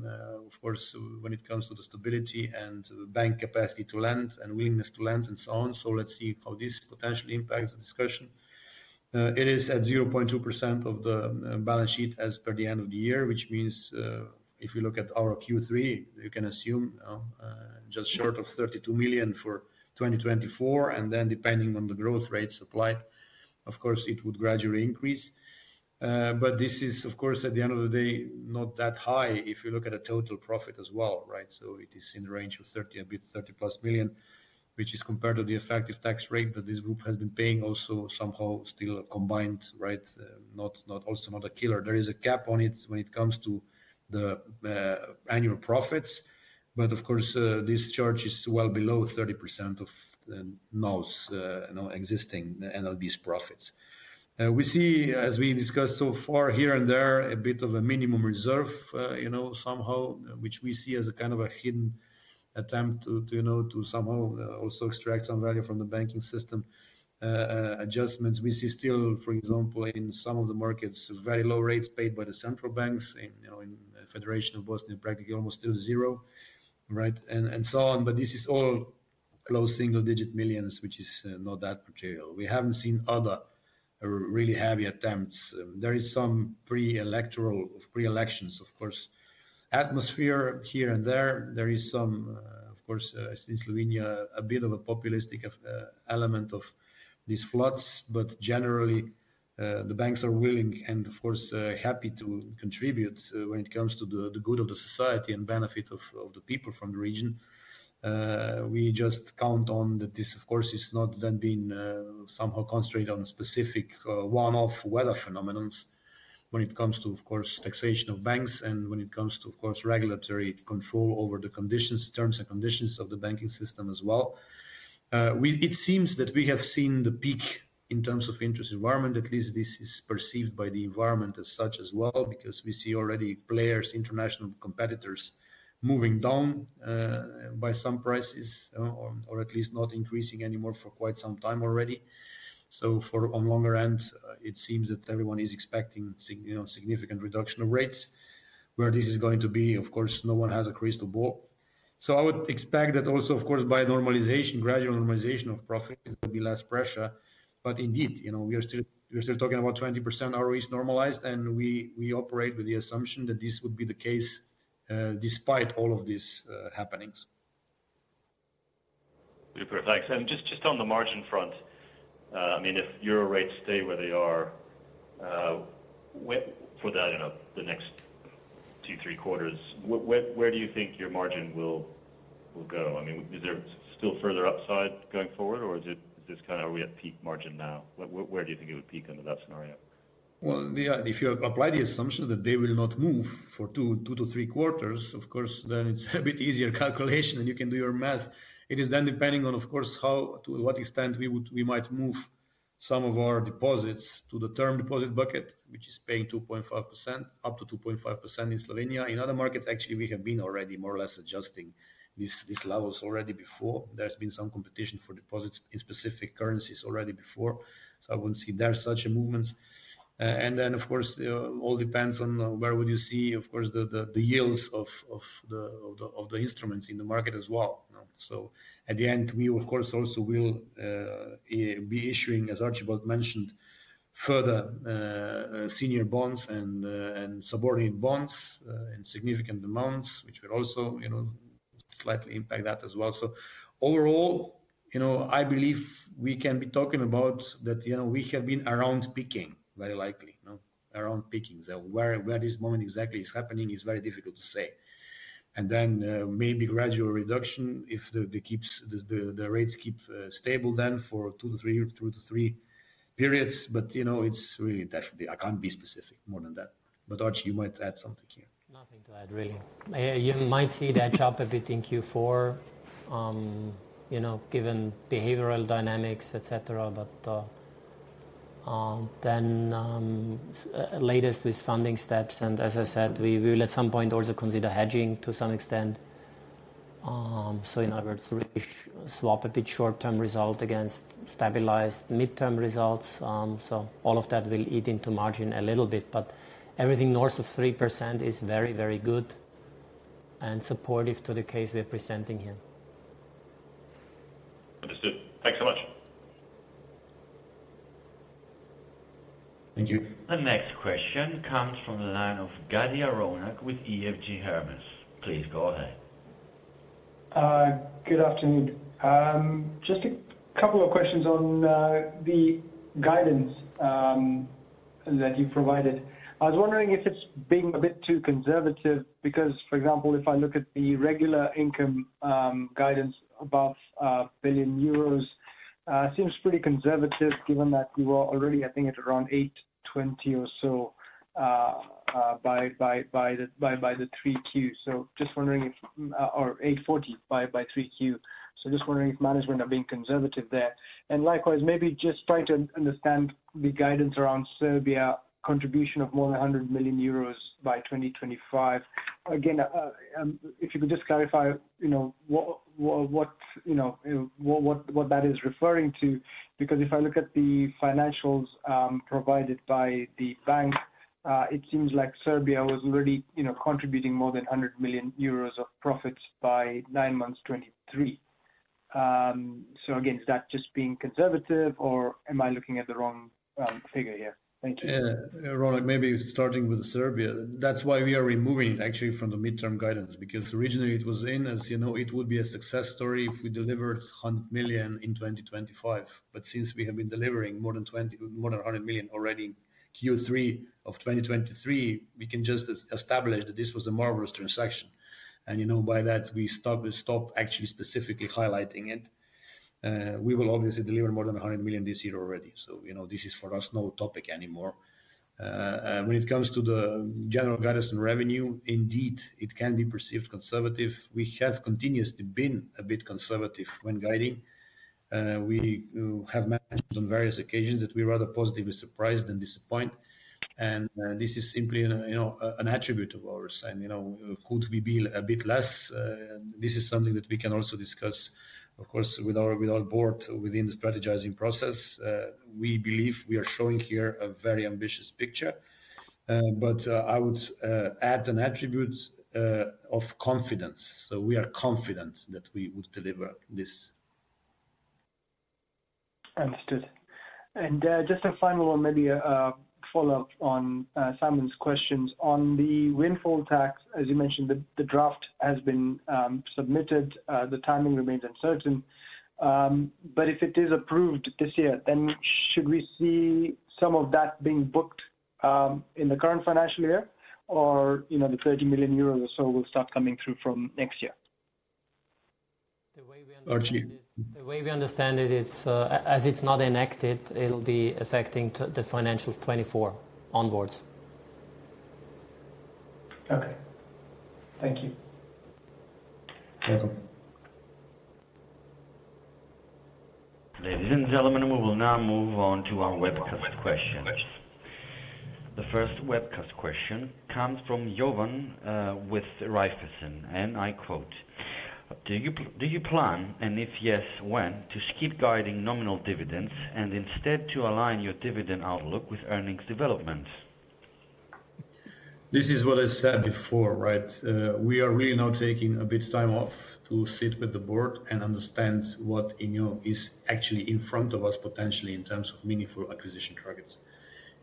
of course, when it comes to the stability and bank capacity to lend and willingness to lend and so on. So let's see how this potentially impacts the discussion. It is at 0.2% of the, balance sheet as per the end of the year, which means, if you look at our Q3, you can assume, just short of 32 million for 2024, and then depending on the growth rate supplied, of course, it would gradually increase. But this is, of course, at the end of the day, not that high, if you look at the total profit as well, right? So it is in the range of 30, a bit 30+ million, which is compared to the effective tax rate that this group has been paying, also somehow still combined, right? Not, not also not a killer. There is a cap on it when it comes to the annual profits, but of course, this charge is well below 30% of Nova's, you know, existing NLB's profits. We see, as we discussed so far, here and there, a bit of a minimum reserve, you know, somehow, which we see as a kind of a hidden attempt to, to, you know, to somehow also extract some value from the banking system. Adjustments we see still, for example, in some of the markets, very low rates paid by the central banks, in, you know, Federation of Bosnia, practically almost still zero, right? And so on. But this is all low single-digit millions, which is not that material. We haven't seen other really heavy attempts. There is some pre-electoral pre-elections, of course, atmosphere here and there. There is some, of course, since Slovenia, a bit of a populistic element of these floods, but generally, the banks are willing and, of course, happy to contribute, when it comes to the good of the society and benefit of the people from the region. We just count on that this, of course, is not then being somehow constrained on specific, one-off weather phenomena when it comes to, of course, taxation of banks and when it comes to, of course, regulatory control over the conditions, terms and conditions of the banking system as well. It seems that we have seen the peak in terms of interest environment. At least this is perceived by the environment as such as well, because we see already players, international competitors, moving down by some prices, or at least not increasing anymore for quite some time already. So for on longer end, it seems that everyone is expecting significant reduction of rates. Where this is going to be, of course, no one has a crystal ball. I would expect that also, of course, by normalization, gradual normalization of profits, there will be less pressure. But indeed, you know, we are still, we are still talking about 20% ROE is normalized, and we, we operate with the assumption that this would be the case, despite all of these happenings. Super. Thanks. And just, just on the margin front, I mean, if Euro rates stay where they are, where—for the, you know, the next two, three quarters, where do you think your margin will go? I mean, is there still further upside going forward, or is it just kind of—are we at peak margin now? Where do you think it would peak under that scenario? Well, if you apply the assumption that they will not move for 2-3 quarters, of course, then it's a bit easier calculation, and you can do your math. It is then depending on, of course, how to what extent we would, we might move some of our deposits to the term deposit bucket, which is paying 2.5%, up to 2.5% in Slovenia. In other markets, actually, we have been already more or less adjusting these levels already before. There's been some competition for deposits in specific currencies already before, so I wouldn't see there such movements. And then, of course, all depends on where would you see, of course, the yields of the instruments in the market as well, you know? So at the end, we of course also will be issuing, as Archibald mentioned, further senior bonds and subordinate bonds in significant amounts, which will also, you know, slightly impact that as well. So overall, you know, I believe we can be talking about that, you know, we have been around peaking, very likely, you know, around peaking. Where this moment exactly is happening is very difficult to say. And then maybe gradual reduction if the rates keep stable then for two to three, or two to three periods. But, you know, it's really definitely, I can't be specific more than that. But Arch, you might add something here. Nothing to add, really. You might see that drop a bit in Q4, you know, given behavioral dynamics, et cetera. But,... Then, latest with funding steps, and as I said, we will at some point also consider hedging to some extent. So in other words, we swap a bit short-term result against stabilized midterm results. So all of that will eat into margin a little bit, but everything north of 3% is very, very good and supportive to the case we are presenting here. Understood. Thanks so much. Thank you. The next question comes from the line of Gadhia Ronak with EFG Hermes. Please go ahead. Good afternoon. Just a couple of questions on the guidance that you provided. I was wondering if it's being a bit too conservative, because, for example, if I look at the regular income guidance above 1 billion euros, it seems pretty conservative, given that you are already, I think, at around 820 or so by 3Q. So just wondering if or 840 by 3Q. So just wondering if management are being conservative there. And likewise, maybe just trying to understand the guidance around Serbia contribution of more than 100 million euros by 2025. Again, if you could just clarify, you know, what that is referring to? Because if I look at the financials provided by the bank, it seems like Serbia was already, you know, contributing more than 100 million euros of profit by nine months 2023. So again, is that just being conservative or am I looking at the wrong figure here? Thank you. Yeah, Ronak, maybe starting with Serbia. That's why we are removing actually from the midterm guidance, because originally it was in. As you know, it would be a success story if we delivered 100 million in 2025. But since we have been delivering more than 100 million already Q3 of 2023, we can just establish that this was a marvelous transaction. And, you know, by that, we stop, we stop actually specifically highlighting it. We will obviously deliver more than 100 million this year already. So, you know, this is, for us, no topic anymore. And when it comes to the general guidance and revenue, indeed, it can be perceived conservative. We have continuously been a bit conservative when guiding. We have mentioned on various occasions that we're rather positively surprised than disappointed, and this is simply, you know, an attribute of ours. And, you know, could we be a bit less? This is something that we can also discuss, of course, with our board within the strategizing process. We believe we are showing here a very ambitious picture. But I would add an attribute of confidence. So we are confident that we would deliver this. Understood. And, just a final one, maybe, a follow-up on, Simon's questions. On the windfall tax, as you mentioned, the, the draft has been, submitted, the timing remains uncertain. But if it is approved this year, then should we see some of that being booked, in the current financial year, or, you know, the 30 million euros or so will start coming through from next year? The way we understand it- Archi? The way we understand it, it's as it's not enacted, it'll be affecting the financials 2024 onwards. Okay. Thank you. You're welcome. Ladies and gentlemen, we will now move on to our webcast questions. The first webcast question comes from Jovan with Raiffeisen, and I quote: "Do you plan, and if yes, when, to skip guiding nominal dividends and instead to align your dividend outlook with earnings development? This is what I said before, right? We are really now taking a bit of time off to sit with the board and understand what, you know, is actually in front of us, potentially in terms of meaningful acquisition targets.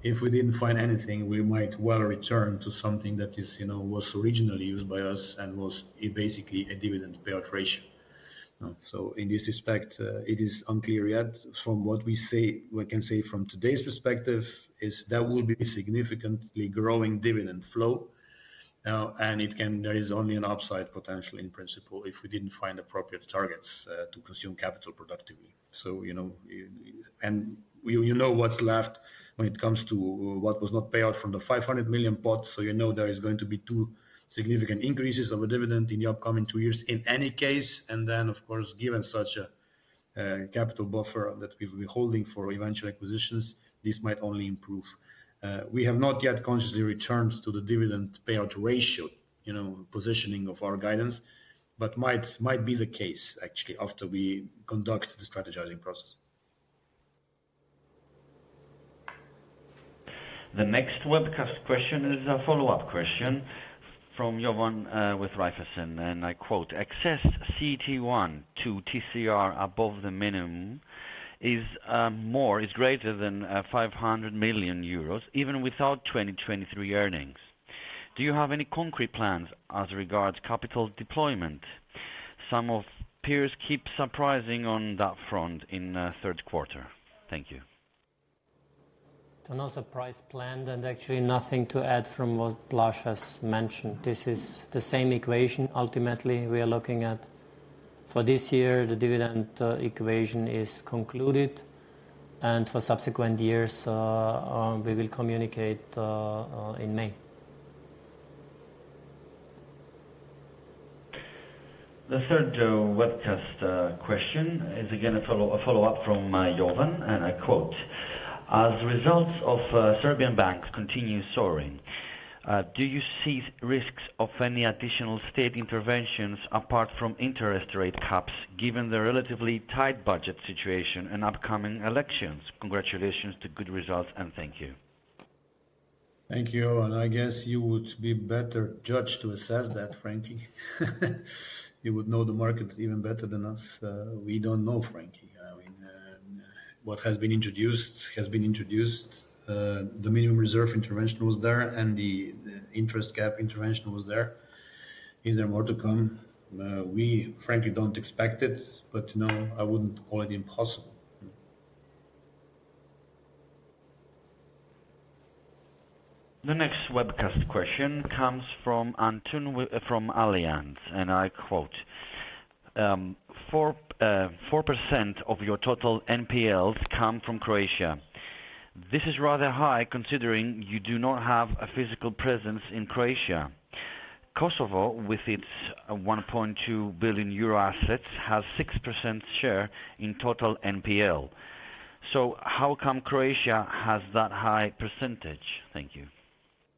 If we didn't find anything, we might well return to something that is, you know, was originally used by us and was, basically, a dividend payout ratio. So in this respect, it is unclear yet. From what we say, we can say from today's perspective is there will be significantly growing dividend flow, and it can, there is only an upside potential in principle if we didn't find appropriate targets, to consume capital productively. So, you know. And you, you know what's left when it comes to what was not paid out from the 500 million pot. So you know, there is going to be two significant increases of a dividend in the upcoming two years in any case, and then, of course, given such a, capital buffer that we will be holding for eventual acquisitions, this might only improve. We have not yet consciously returned to the dividend payout ratio, you know, positioning of our guidance, but might, might be the case actually after we conduct the strategizing process. The next webcast question is a follow-up question from Jovan, with Raiffeisen, and I quote: "Excess CET1 to TCR above the minimum is more, is greater than 500 million euros, even without 2023 earnings. Do you have any concrete plans as regards capital deployment? Some of peers keep surprising on that front in third quarter." Thank you. So no surprise planned, and actually nothing to add from what Blaž has mentioned. This is the same equation ultimately we are looking at. For this year, the dividend equation is concluded, and for subsequent years, we will communicate in May. The third webcast question is again a follow-up from Jovan, and I quote, "As results of Serbian banks continue soaring, do you see risks of any additional state interventions apart from interest rate caps, given the relatively tight budget situation and upcoming elections? Congratulations to good results, and thank you. Thank you, Jovan. I guess you would be better judge to assess that, frankly. You would know the markets even better than us. We don't know, frankly. I mean, what has been introduced has been introduced. The minimum reserve intervention was there and the interest cap intervention was there. Is there more to come? We frankly don't expect it, but no, I wouldn't call it impossible. The next webcast question comes from Anton, from Allianz, and I quote: "4% of your total NPLs come from Croatia. This is rather high, considering you do not have a physical presence in Croatia. Kosovo, with its 1.2 billion euro assets, has 6% share in total NPL. So how come Croatia has that high percentage? Thank you.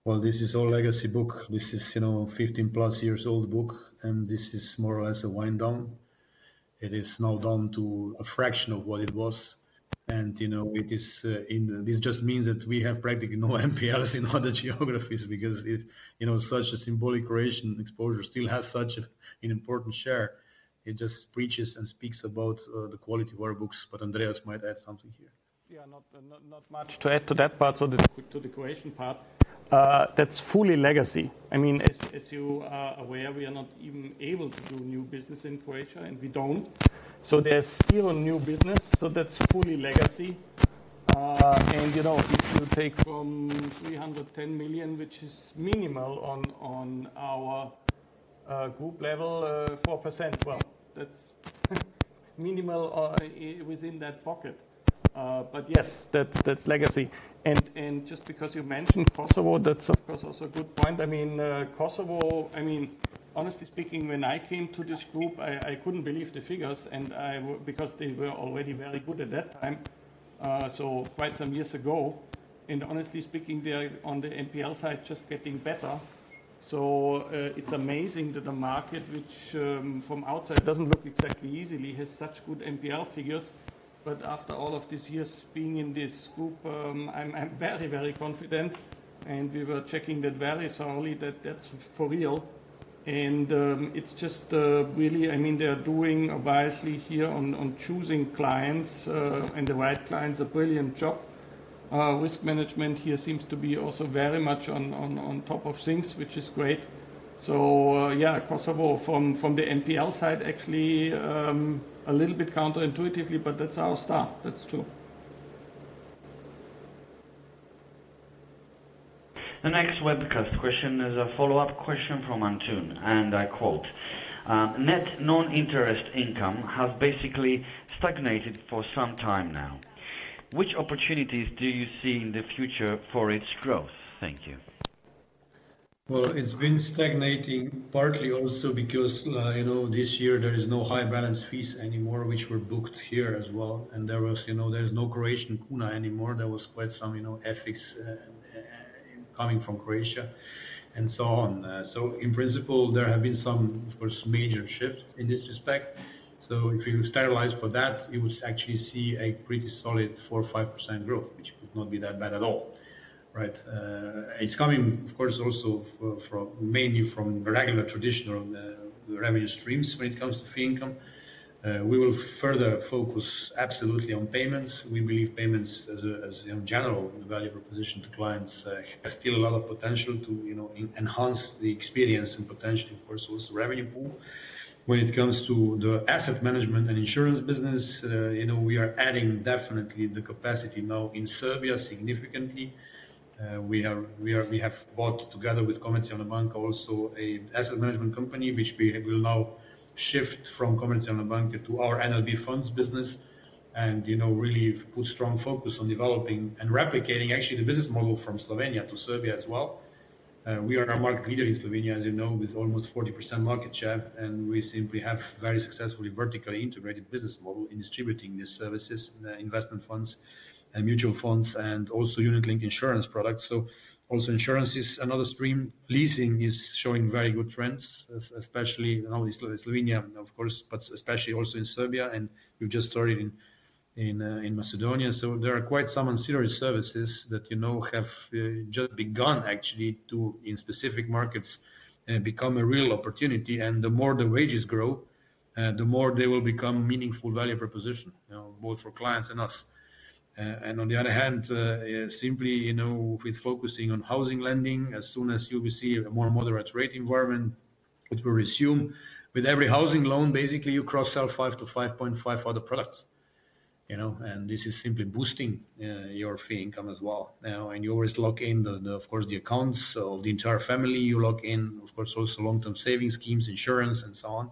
Well, this is all legacy book. This is, you know, 15 plus years old book, and this is more or less a wind down. It is now down to a fraction of what it was, and, you know, it is. This just means that we have practically no NPLs in other geographies because it, you know, such a symbolic Croatian exposure still has such an important share. It just preaches and speaks about the quality of our books, but Andreas might add something here. Yeah, not much to add to that part. So the, to the Croatian part, that's fully legacy. I mean, as you are aware, we are not even able to do new business in Croatia, and we don't. So there's still new business, so that's fully legacy. And, you know, if you take from 310 million, which is minimal on our group level, 4%, well, that's minimal within that pocket. But yes, that's legacy. And just because you mentioned Kosovo, that's of course also a good point. I mean, Kosovo, I mean, honestly speaking, when I came to this group, I couldn't believe the figures, and because they were already very good at that time, so quite some years ago. Honestly speaking, they are on the NPL side, just getting better. So, it's amazing that a market which, from outside doesn't look exactly easily, has such good NPL figures. But after all of these years being in this group, I'm, I'm very, very confident, and we were checking that very thoroughly, that that's for real. It's just, really, I mean, they are doing wisely here on choosing clients, and the right clients, a brilliant job. Risk management here seems to be also very much on top of things, which is great. So, yeah, Kosovo from the NPL side, actually, a little bit counterintuitively, but that's our star. That's true. The next webcast question is a follow-up question from Anton, and I quote: "Net non-interest income has basically stagnated for some time now. Which opportunities do you see in the future for its growth? Thank you. Well, it's been stagnating partly also because, you know, this year there is no high balance fees anymore, which were booked here as well. And there was, you know, there's no Croatian Kuna anymore. There was quite some, you know, FX coming from Croatia and so on. So in principle, there have been some, of course, major shifts in this respect. So if you sterilize for that, you would actually see a pretty solid 4 or 5% growth, which would not be that bad at all. Right? It's coming, of course, also from, from mainly from the regular traditional revenue streams when it comes to fee income. We will further focus absolutely on payments. We believe payments as a, as in general, the value proposition to clients has still a lot of potential to, you know, enhance the experience and potentially, of course, also revenue pool. When it comes to the asset management and insurance business, you know, we are adding definitely the capacity now in Serbia significantly. We have bought together with Komercijalna Banka, also an asset management company, which we will now shift from Komercijalna Banka to our NLB Funds business and, you know, really put strong focus on developing and replicating actually the business model from Slovenia to Serbia as well. We are a market leader in Slovenia, as you know, with almost 40% market share, and we simply have very successfully vertically integrated business model in distributing these services, investment funds and mutual funds and also unit link insurance products. So also insurance is another stream. Leasing is showing very good trends, especially now in Slovenia, of course, but especially also in Serbia, and we've just started in Macedonia. So there are quite some ancillary services that, you know, have just begun actually to, in specific markets, become a real opportunity, and the more the wages grow, the more they will become meaningful value proposition, you know, both for clients and us. And on the other hand, simply, you know, with focusing on housing lending, as soon as you will see a more moderate rate environment, it will resume. With every housing loan, basically, you cross-sell 5-5.5 other products, you know, and this is simply boosting your fee income as well. Now, and you always lock in the accounts, so the entire family, you lock in, of course, also long-term savings schemes, insurance, and so on.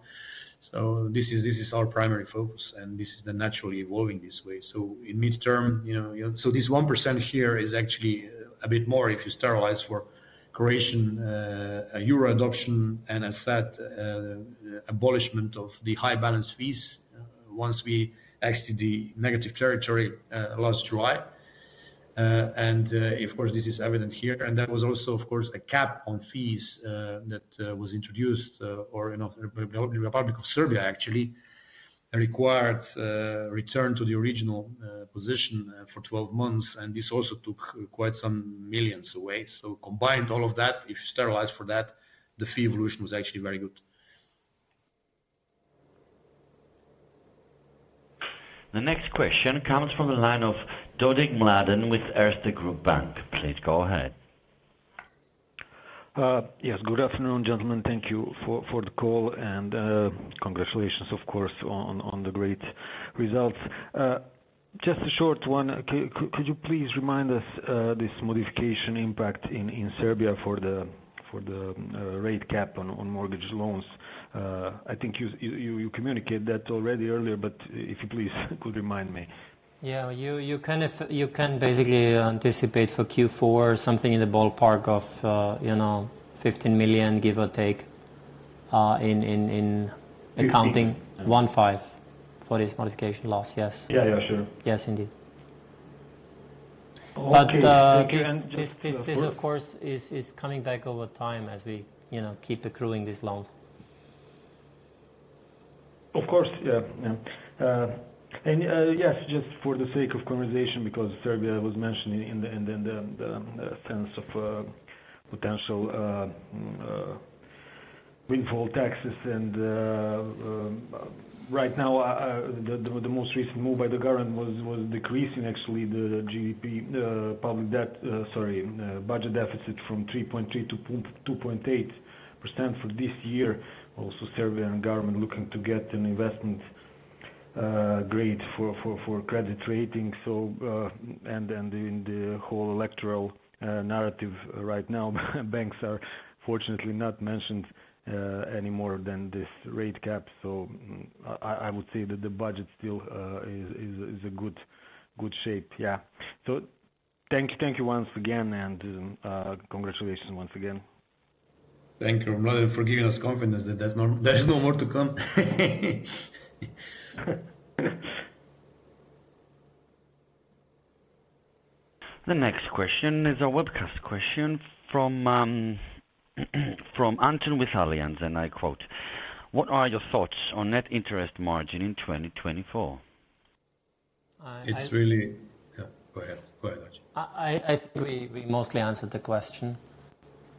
So this is, this is our primary focus, and this is the naturally evolving this way. So in midterm, you know, so this 1% here is actually a bit more if you sterilize for Croatian euro adoption and asset abolishment of the high balance fees... once we exited the negative territory last July. Of course, this is evident here. That was also, of course, a cap on fees that was introduced, or, you know, in the Republic of Serbia actually required return to the original position for 12 months, and this also took quite some millions away. So combined all of that, if you sterilize for that, the fee evolution was actually very good. The next question comes from the line of Dodig Mladen with Erste Group Bank. Please go ahead. Yes. Good afternoon, gentlemen. Thank you for the call and, congratulations, of course, on the great results. Just a short one. Could you please remind us, this modification impact in Serbia for the rate cap on mortgage loans? I think you communicate that already earlier, but if you please could remind me. Yeah, you kind of, you can basically anticipate for Q4 something in the ballpark of, you know, 15 million, give or take, in accounting- Fifteen. 15 for this modification loss. Yes. Yeah. Yeah, sure. Yes, indeed. But, Okay. Thank you. This of course is coming back over time as we, you know, keep accruing these loans. Of course, yeah. Yeah. And, yes, just for the sake of conversation, because Serbia was mentioned in the sense of potential windfall taxes and, right now, the most recent move by the government was decreasing actually the GDP public debt, sorry, budget deficit from 3.3% to 2.8% for this year. Also, Serbian government looking to get an investment grade for credit rating. So, and in the whole electoral narrative right now, banks are fortunately not mentioned any more than this rate cap. So I would say that the budget still is a good shape. Yeah. So thank you. Thank you once again, and, congratulations once again. Thank you, Mladen, for giving us confidence that there's no, there's no more to come. The next question is a webcast question from, from Anton with Allianz, and I quote: "What are your thoughts on net interest margin in 2024? I- It's really... Yeah, go ahead. Go ahead, Arch. I think we mostly answered the question.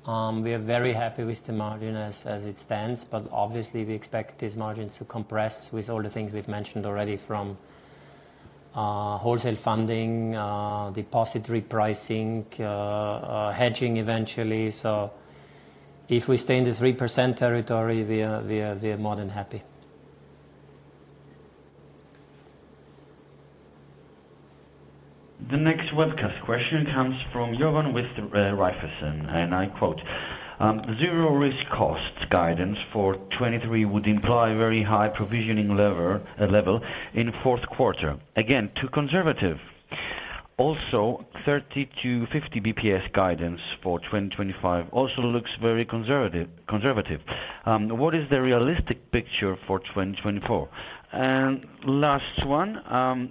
We are very happy with the margin as it stands, but obviously we expect these margins to compress with all the things we've mentioned already from wholesale funding, deposit repricing, hedging eventually. So if we stay in this 3% territory, we are more than happy. The next webcast question comes from Jovan with Raiffeisen, and I quote: "Zero risk cost guidance for 2023 would imply very high provisioning leverage level in fourth quarter. Again, too conservative. Also, 30-50 BPS guidance for 2025 also looks very conservative, conservative. What is the realistic picture for 2024? And last one,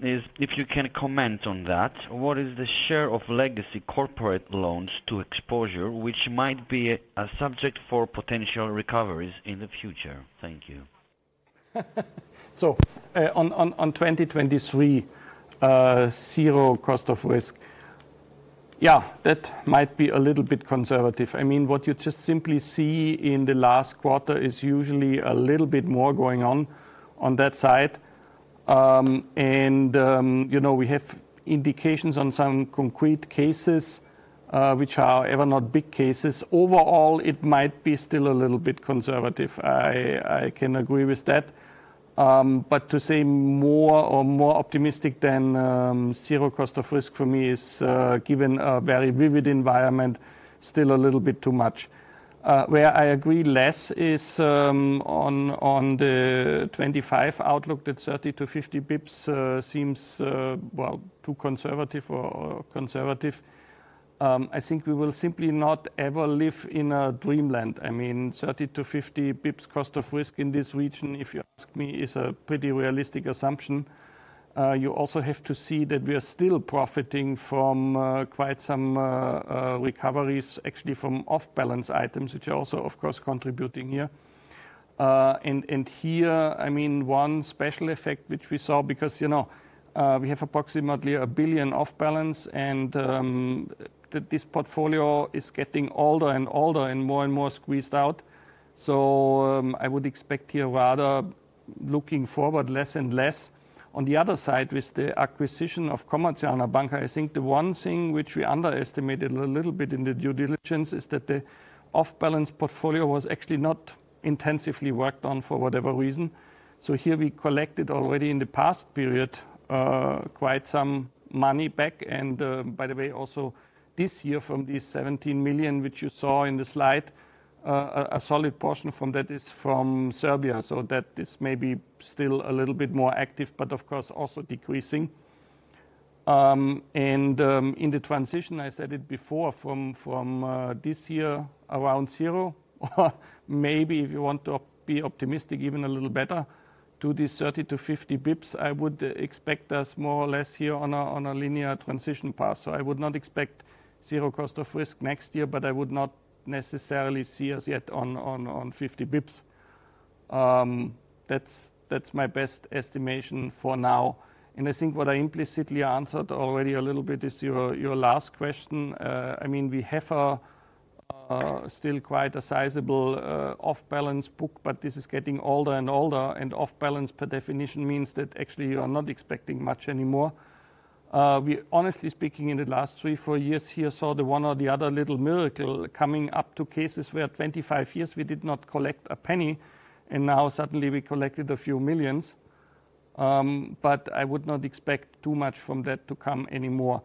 is if you can comment on that, what is the share of legacy corporate loans to exposure, which might be a subject for potential recoveries in the future? Thank you. So, on 2023, zero cost of risk. Yeah, that might be a little bit conservative. I mean, what you just simply see in the last quarter is usually a little bit more going on, on that side. And you know, we have indications on some concrete cases, which are ever not big cases. Overall, it might be still a little bit conservative. I can agree with that. But to say more or more optimistic than zero cost of risk for me is, given a very vivid environment, still a little bit too much. Where I agree less is on the 25 outlook that 30-50 basis points seems well too conservative or conservative. I think we will simply not ever live in a dreamland. I mean, 30-50 bps cost of risk in this region, if you ask me, is a pretty realistic assumption. You also have to see that we are still profiting from quite some recoveries, actually from off-balance items, which are also, of course, contributing here. And here, I mean, one special effect, which we saw, because, you know, we have approximately 1 billion off-balance, and this portfolio is getting older and older and more and more squeezed out. So, I would expect here rather looking forward, less and less. On the other side, with the acquisition of Komercijalna Banka, I think the one thing which we underestimated a little bit in the due diligence is that the off-balance portfolio was actually not intensively worked on for whatever reason. So here we collected already in the past period, quite some money back. And, by the way, also this year from these 17 million, which you saw in the slide, a solid portion from that is from Serbia. So that is maybe still a little bit more active, but of course, also decreasing. In the transition, I said it before, from this year around zero, or maybe if you want to be optimistic, even a little better, to this 30-50 basis points, I would expect us more or less here on a linear transition path. So I would not expect zero cost of risk next year, but I would not necessarily see us yet on 50 basis points. That's my best estimation for now. I think what I implicitly answered already a little bit is your last question. I mean, we have a still quite a sizable off-balance book, but this is getting older and older. Off-balance, per definition, means that actually you are not expecting much anymore. We, honestly speaking, in the last 3, 4 years, here, saw the one or the other little miracle coming up to cases where 25 years we did not collect a penny, and now suddenly we collected a few million EUR. But I would not expect too much from that to come anymore.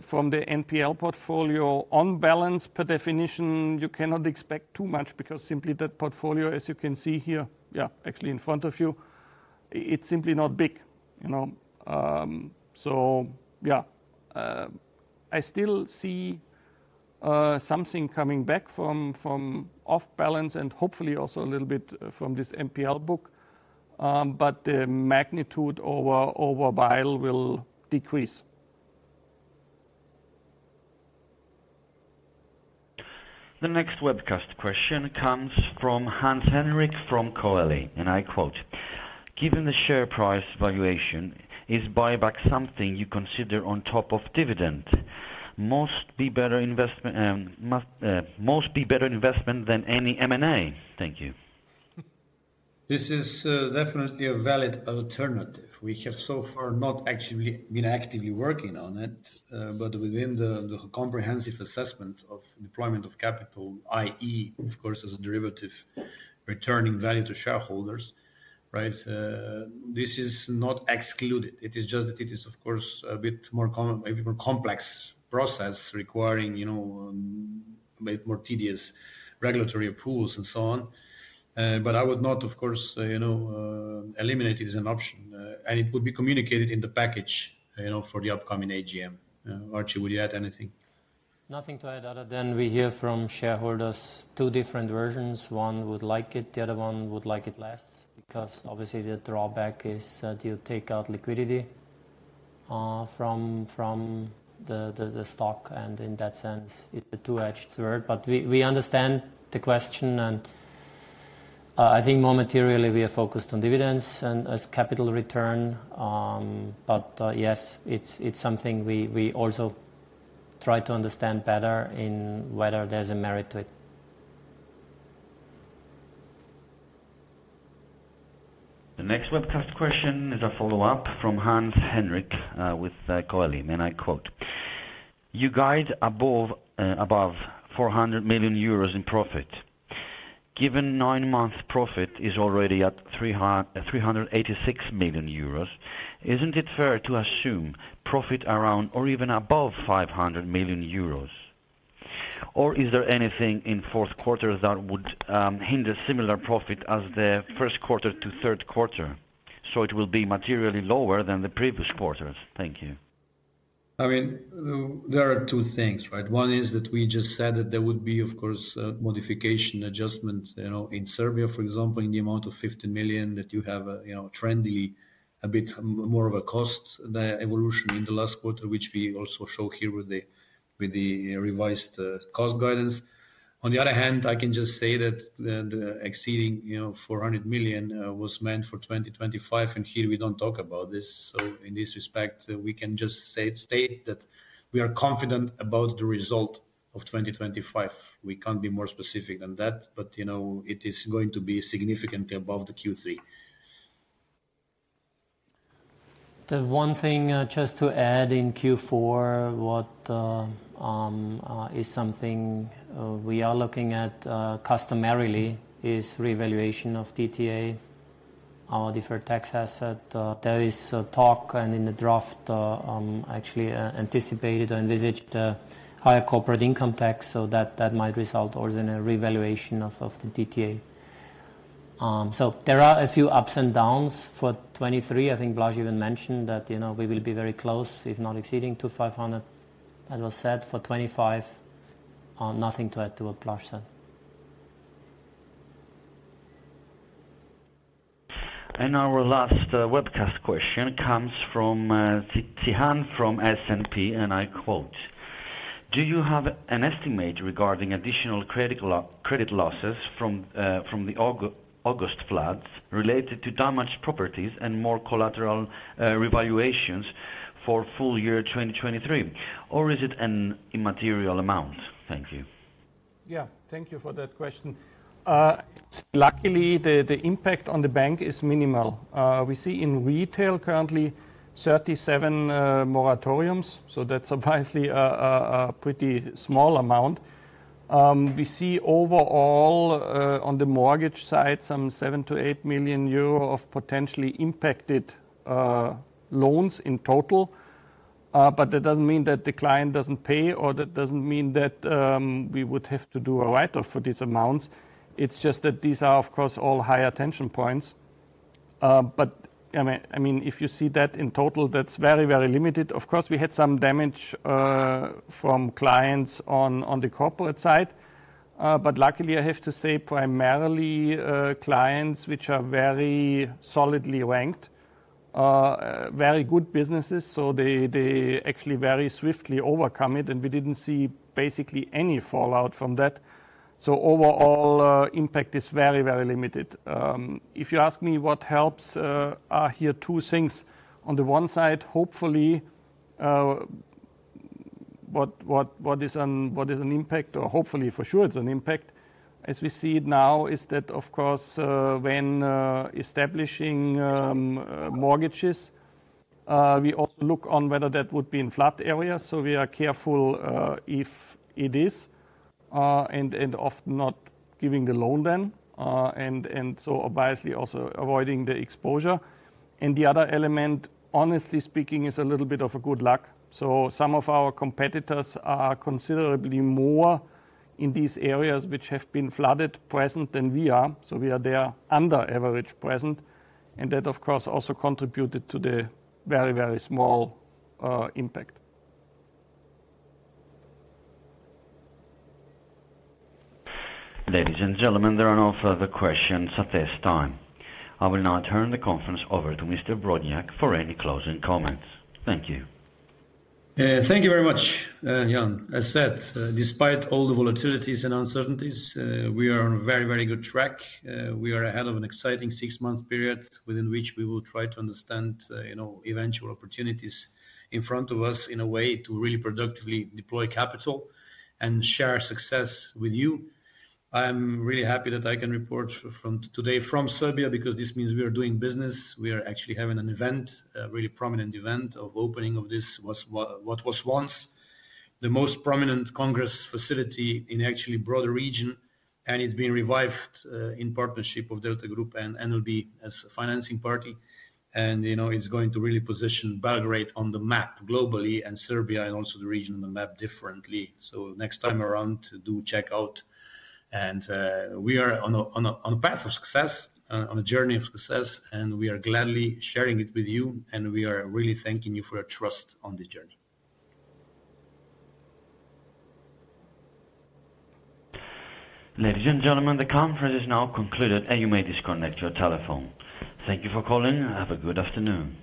From the NPL portfolio, on balance, per definition, you cannot expect too much because simply that portfolio, as you can see here, yeah, actually in front of you, it's simply not big, you know? So yeah. I still see something coming back from off-balance and hopefully also a little bit from this NPL book, but the magnitude over while will decrease. The next webcast question comes from Hans Henrik from Coeli, and I quote: "Given the share price valuation, is buyback something you consider on top of dividend? Must be better investment than any M&A. Thank you. This is definitely a valid alternative. We have so far not actually been actively working on it, but within the comprehensive assessment of deployment of capital, i.e., of course, as a derivative, returning value to shareholders, right? This is not excluded. It is just that it is, of course, a bit more complex process requiring, you know, a bit more tedious regulatory approvals and so on. But I would not, of course, you know, eliminate it as an option, and it would be communicated in the package, you know, for the upcoming AGM. Archie, would you add anything? Nothing to add other than we hear from shareholders two different versions. One would like it, the other one would like it less, because obviously the drawback is that you take out liquidity from the stock, and in that sense, it's a two-edged sword. But we understand the question, and I think more materially, we are focused on dividends and as capital return. But yes, it's something we also try to understand better in whether there's a merit to it. The next webcast question is a follow-up from Hans Henrik with Coeli, and I quote: "You guide above 400 million euros in profit. Given nine-month profit is already at 386 million euros, isn't it fair to assume profit around or even above 500 million euros? Or is there anything in fourth quarter that would hinder similar profit as the first quarter to third quarter, so it will be materially lower than the previous quarters? Thank you. I mean, there are two things, right? One is that we just said that there would be, of course, a modification adjustment, you know, in Serbia, for example, in the amount of 50 million, that you have a, you know, trendy, a bit more of a cost evolution in the last quarter, which we also show here with the revised cost guidance. On the other hand, I can just say that the exceeding, you know, 400 million was meant for 2025, and here we don't talk about this. So in this respect, we can just say, state that we are confident about the result of 2025. We can't be more specific than that, but, you know, it is going to be significantly above the Q3. The one thing, just to add in Q4, is something we are looking at, customarily is revaluation of DTA, our Deferred Tax Asset. There is a talk and in the draft, actually, anticipated or envisaged higher corporate income tax, so that might result or is in a revaluation of the DTA. So there are a few ups and downs. For 2023, I think Blaž even mentioned that, you know, we will be very close, if not exceeding 500, as was said, for 2025, nothing to add to what Blaž said. Our last webcast question comes from Tihan from S&P, and I quote: "Do you have an estimate regarding additional credit losses from the August floods related to damaged properties and more collateral revaluations for full year 2023, or is it an immaterial amount? Thank you. Yeah. Thank you for that question. Luckily, the impact on the bank is minimal. We see in retail currently 37 moratoriums, so that's surprisingly a pretty small amount. We see overall, on the mortgage side, some 7-8 million euro of potentially impacted loans in total. But that doesn't mean that the client doesn't pay, or that doesn't mean that we would have to do a write-off for these amounts. It's just that these are, of course, all high attention points. But, I mean, I mean, if you see that in total, that's very, very limited. Of course, we had some damage from clients on the corporate side. But luckily, I have to say primarily, clients which are very solidly ranked, very good businesses, so they, they actually very swiftly overcome it, and we didn't see basically any fallout from that. So overall, impact is very, very limited. If you ask me what helps, are here two things. On the one side, hopefully, what is an impact or hopefully for sure it's an impact, as we see it now, is that, of course, when establishing, mortgages, we also look on whether that would be in flood areas. So we are careful, if it is, and, and often not giving the loan then. And so obviously also avoiding the exposure. And the other element, honestly speaking, is a little bit of a good luck. So some of our competitors are considerably more in these areas which have been flooded present than we are. So we are there under average present, and that, of course, also contributed to the very, very small impact. Ladies and gentlemen, there are no further questions at this time. I will now turn the conference over to Mr. Blaž Brodnjak for any closing comments. Thank you. Thank you very much, Jan. As said, despite all the volatilities and uncertainties, we are on a very, very good track. We are ahead of an exciting six-month period within which we will try to understand, you know, eventual opportunities in front of us in a way to really productively deploy capital and share success with you. I'm really happy that I can report today from Serbia, because this means we are doing business. We are actually having an event, a really prominent event of opening of this, what was, what was once the most prominent congress facility in actually broader region, and it's been revived, in partnership with Delta Group and NLB as a financing party. And, you know, it's going to really position Belgrade on the map globally and Serbia and also the region on the map differently. Next time around, do check out. We are on a path of success, on a journey of success, and we are gladly sharing it with you, and we are really thanking you for your trust on this journey. Ladies and gentlemen, the conference is now concluded, and you may disconnect your telephone. Thank you for calling and have a good afternoon.